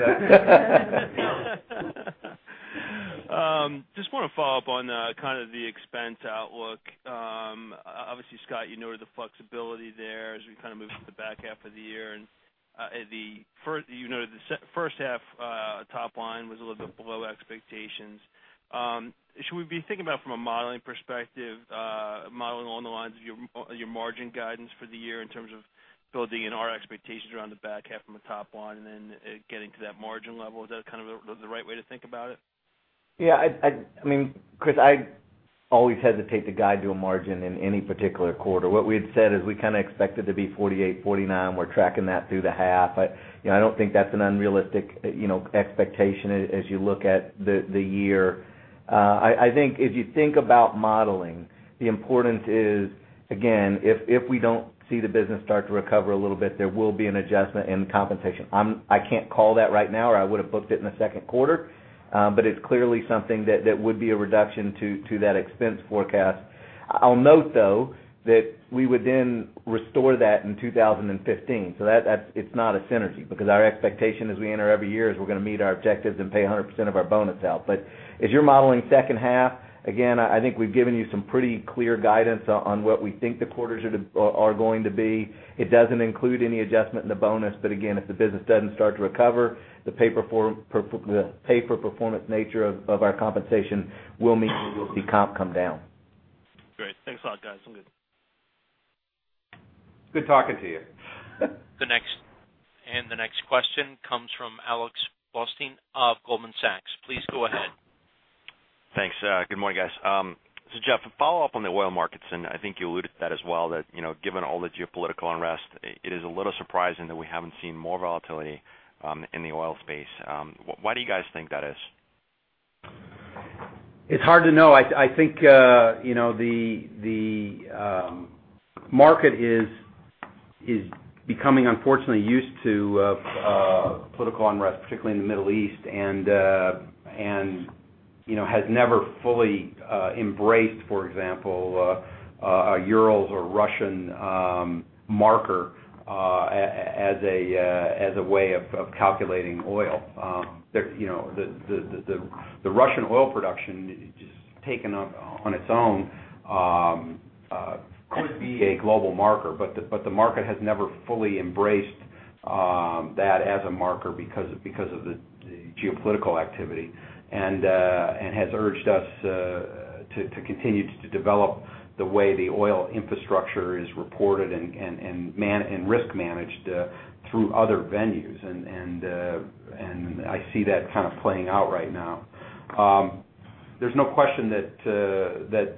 just want to follow up on kind of the expense outlook. Obviously, Scott, you noted the flexibility there as we kind of move into the back half of the year. You noted the first half top line was a little bit below expectations. Should we be thinking about it from a modeling perspective, modeling along the lines of your margin guidance for the year in terms of building in our expectations around the back half from a top line and then getting to that margin level? Is that kind of the right way to think about it? Yeah. Chris, I always hesitate to guide to a margin in any particular quarter. What we had said is we kind of expect it to be 48%, 49%. We're tracking that through the half. I don't think that's an unrealistic expectation as you look at the year. I think if you think about modeling, the importance is, again, if we don't see the business start to recover a little bit, there will be an adjustment in the compensation. I can't call that right now, or I would've booked it in the second quarter. It's clearly something that would be a reduction to that expense forecast. I'll note, though, that we would then restore that in 2015. It's not a synergy because our expectation as we enter every year is we're going to meet our objectives and pay 100% of our bonus out. If you're modeling second half, again, I think we've given you some pretty clear guidance on what we think the quarters are going to be. It doesn't include any adjustment in the bonus, again, if the business doesn't start to recover, the pay for performance nature of our compensation will mean you'll see comp come down. Great. Thanks a lot, guys. I'm good. Good talking to you. The next question comes from Alex Blostein of Goldman Sachs. Please go ahead. Thanks. Good morning, guys. Jeff, a follow-up on the oil markets, and I think you alluded to that as well, that given all the geopolitical unrest, it is a little surprising that we haven't seen more volatility in the oil space. Why do you guys think that is? It's hard to know. I think the market is becoming, unfortunately, used to political unrest, particularly in the Middle East, and has never fully embraced, for example, a Urals or Russian marker as a way of calculating oil. The Russian oil production, just taken on its own, could be a global marker, but the market has never fully embraced that as a marker because of the geopolitical activity, and has urged us to continue to develop the way the oil infrastructure is reported and risk managed through other venues. I see that kind of playing out right now. There's no question that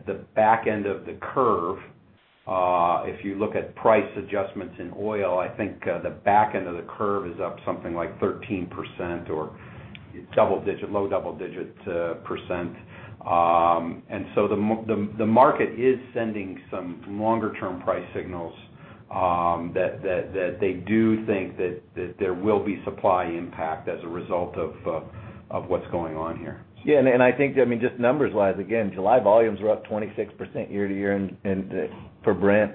the back end of the curve, if you look at price adjustments in oil, I think the back end of the curve is up something like 13% or low double digits percent. The market is sending some longer-term price signals that they do think that there will be supply impact as a result of what's going on here. I think, just numbers-wise, again, July volumes were up 26% year-over-year for Brent.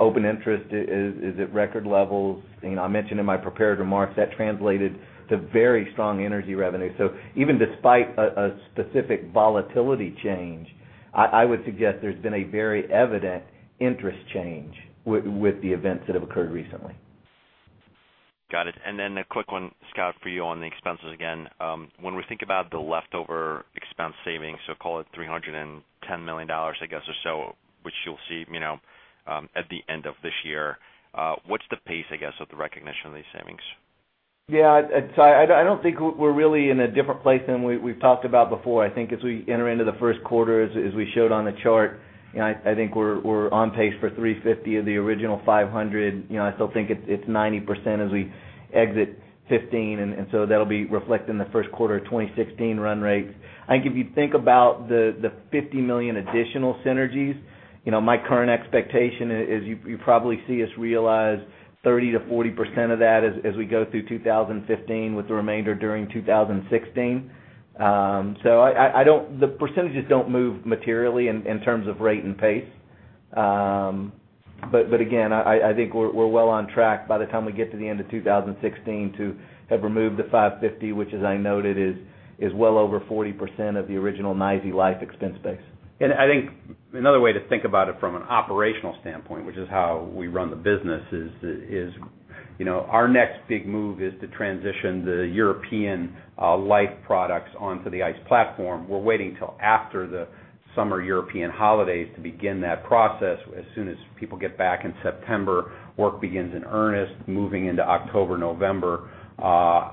Open interest is at record levels. I mentioned in my prepared remarks that translated to very strong energy revenue. Even despite a specific volatility change, I would suggest there's been a very evident interest change with the events that have occurred recently. Got it. A quick one, Scott, for you on the expenses again. When we think about the leftover expense savings, call it $310 million, I guess, or so, which you'll see at the end of this year, what's the pace, I guess, of the recognition of these savings? Yeah, I don't think we're really in a different place than we've talked about before. I think as we enter into the first quarter, as we showed on the chart, I think we're on pace for 350 of the original 500. I still think it's 90% as we exit 2015, that'll be reflected in the first quarter of 2016 run rates. I think if you think about the $50 million additional synergies, my current expectation is you probably see us realize 30%-40% of that as we go through 2015 with the remainder during 2016. The percentages don't move materially in terms of rate and pace. Again, I think we're well on track by the time we get to the end of 2016 to have removed the $550, which, as I noted, is well over 40% of the original NYSE Liffe expense base. I think another way to think about it from an operational standpoint, which is how we run the business, is our next big move is to transition the European Liffe products onto the ICE platform. We're waiting till after the summer European holidays to begin that process. As soon as people get back in September, work begins in earnest, moving into October, November.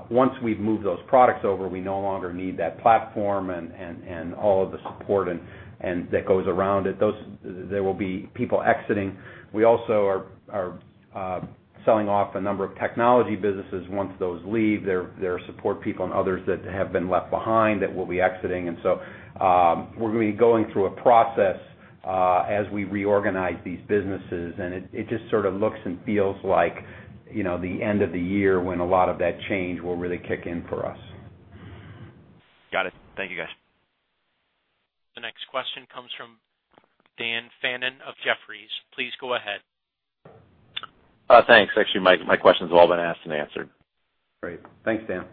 Once we've moved those products over, we no longer need that platform and all of the support that goes around it. There will be people exiting. We also are selling off a number of technology businesses. Once those leave, their support people and others that have been left behind that we'll be exiting. We're going to be going through a process as we reorganize these businesses, and it just sort of looks and feels like the end of the year when a lot of that change will really kick in for us. Got it. Thank you, guys. The next question comes from Daniel Fannon of Jefferies. Please go ahead. Thanks. Actually, my questions have all been asked and answered. Great. Thanks, Dan.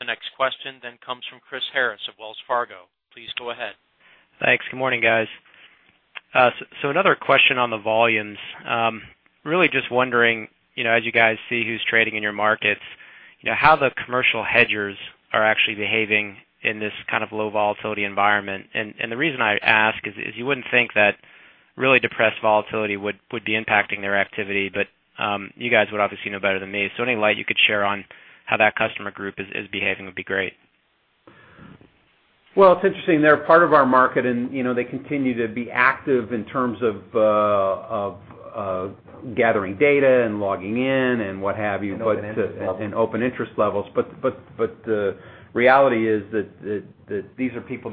The next question comes from Chris Harris of Wells Fargo. Please go ahead. Thanks. Good morning, guys. Another question on the volumes. Really just wondering, as you guys see who's trading in your markets, how the commercial hedgers are actually behaving in this kind of low volatility environment. The reason I ask is you wouldn't think that really depressed volatility would be impacting their activity, but you guys would obviously know better than me. Any light you could share on how that customer group is behaving would be great. Well, it's interesting. They're part of our market, and they continue to be active in terms of gathering data and logging in and what have you- Open interest levels. Open interest levels. The reality is that these are people,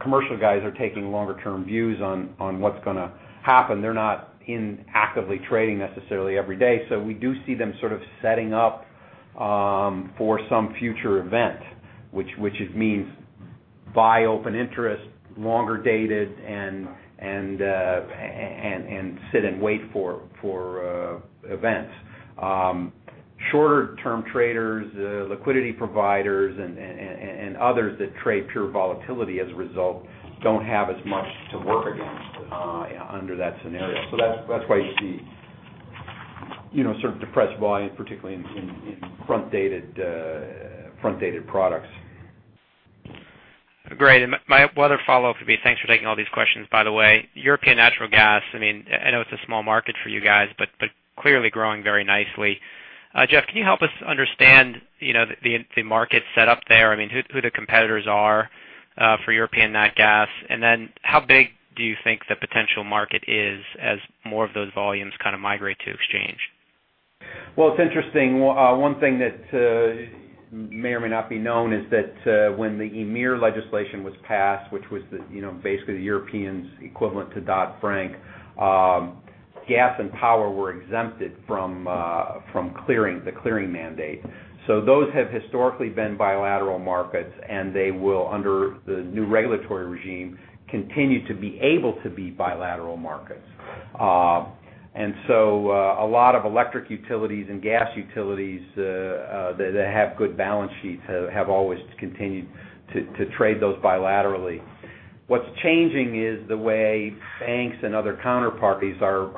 commercial guys are taking longer term views on what's going to happen. They're not in actively trading necessarily every day. We do see them sort of setting up for some future event, which it means buy open interest, longer dated, and sit and wait for events. Shorter term traders, liquidity providers, and others that trade pure volatility as a result don't have as much to work against under that scenario. That's why you see sort of depressed volume, particularly in front-dated products. Great. My other follow-up would be, thanks for taking all these questions, by the way. European natural gas, I know it's a small market for you guys, but clearly growing very nicely. Jeff, can you help us understand the market set up there? I mean, who the competitors are for European nat gas, then how big do you think the potential market is as more of those volumes kind of migrate to exchange? Well, it's interesting. One thing that may or may not be known is that when the EMIR legislation was passed, which was basically the Europeans' equivalent to Dodd-Frank, gas and power were exempted from the clearing mandate. Those have historically been bilateral markets, and they will, under the new regulatory regime, continue to be able to be bilateral markets. A lot of electric utilities and gas utilities that have good balance sheets have always continued to trade those bilaterally. What's changing is the way banks and other counterparties are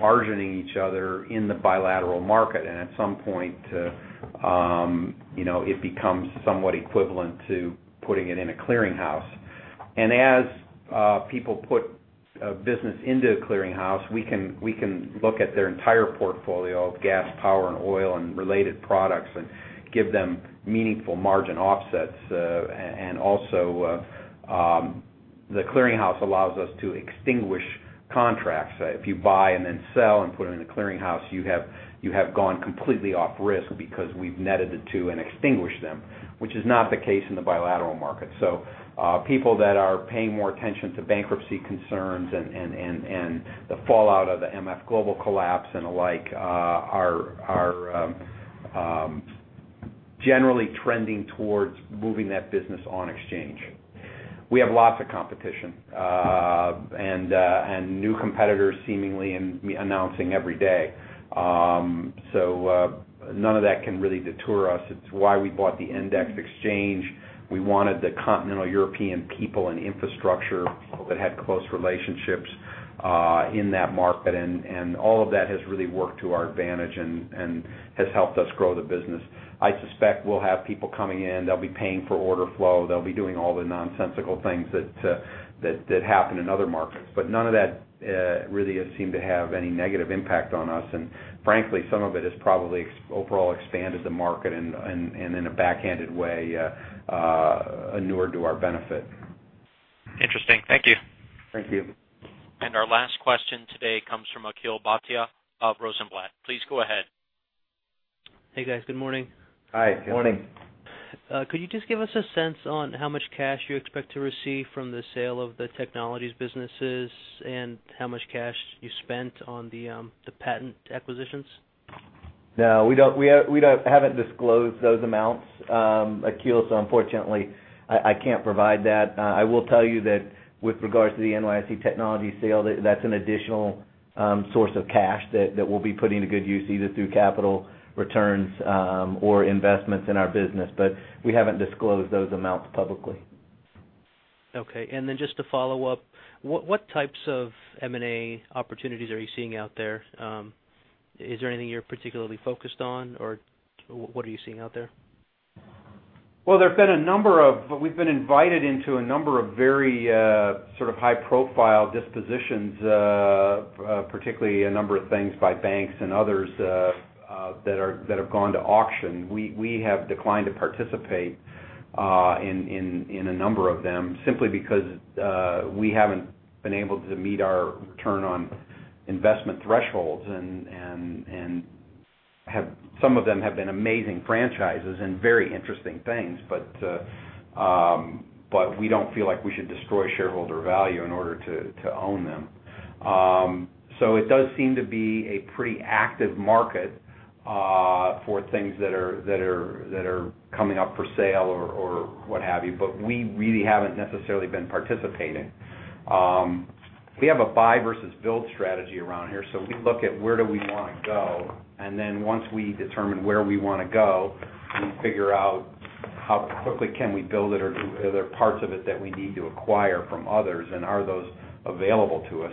margining each other in the bilateral market, and at some point it becomes somewhat equivalent to putting it in a clearinghouse. As people put business into a clearinghouse, we can look at their entire portfolio of gas, power, and oil and related products and give them meaningful margin offsets. Also, the clearinghouse allows us to extinguish contracts. If you buy and then sell and put it in the clearinghouse, you have gone completely off risk because we've netted the two and extinguished them, which is not the case in the bilateral market. People that are paying more attention to bankruptcy concerns and the fallout of the MF Global collapse and the like are generally trending towards moving that business on exchange. We have lots of competition, and new competitors seemingly announcing every day. None of that can really deter us. It's why we bought the ICE Endex. We wanted the continental European people and infrastructure that had close relationships in that market, and all of that has really worked to our advantage and has helped us grow the business. I suspect we'll have people coming in. They'll be paying for order flow. They'll be doing all the nonsensical things that happen in other markets. None of that really has seemed to have any negative impact on us. Frankly, some of it has probably overall expanded the market and in a backhanded way inured to our benefit. Interesting. Thank you. Thank you. Our last question today comes from Akhil Bhatia of Rosenblatt. Please go ahead. Hey, guys. Good morning. Hi. Morning. Could you just give us a sense on how much cash you expect to receive from the sale of the technologies businesses and how much cash you spent on the patent acquisitions? No, we haven't disclosed those amounts, Akhil, so unfortunately, I can't provide that. I will tell you that with regards to the NYSE technology sale, that's an additional source of cash that we'll be putting to good use, either through capital returns or investments in our business. We haven't disclosed those amounts publicly. Okay. Just to follow up, what types of M&A opportunities are you seeing out there? Is there anything you're particularly focused on, or what are you seeing out there? Well, we've been invited into a number of very sort of high-profile dispositions, particularly a number of things by banks and others that have gone to auction. We have declined to participate in a number of them simply because we haven't been able to meet our return on investment thresholds, and some of them have been amazing franchises and very interesting things, but we don't feel like we should destroy shareholder value in order to own them. It does seem to be a pretty active market for things that are coming up for sale or what have you. We really haven't necessarily been participating. We have a buy versus build strategy around here. We look at where do we want to go, then once we determine where we want to go, we figure out how quickly can we build it, or are there parts of it that we need to acquire from others, and are those available to us?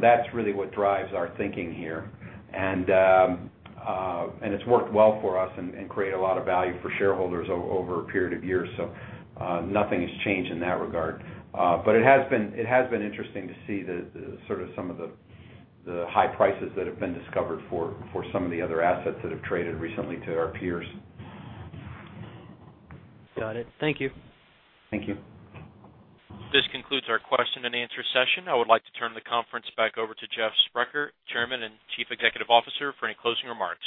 That's really what drives our thinking here. It's worked well for us and created a lot of value for shareholders over a period of years, nothing has changed in that regard. It has been interesting to see sort of some of the high prices that have been discovered for some of the other assets that have traded recently to our peers. Got it. Thank you. Thank you. This concludes our question and answer session. I would like to turn the conference back over to Jeffrey Sprecher, Chairman and Chief Executive Officer, for any closing remarks.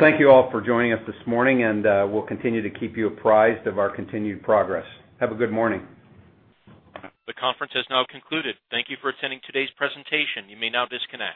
Thank you all for joining us this morning, and we'll continue to keep you apprised of our continued progress. Have a good morning. The conference has now concluded. Thank you for attending today's presentation. You may now disconnect.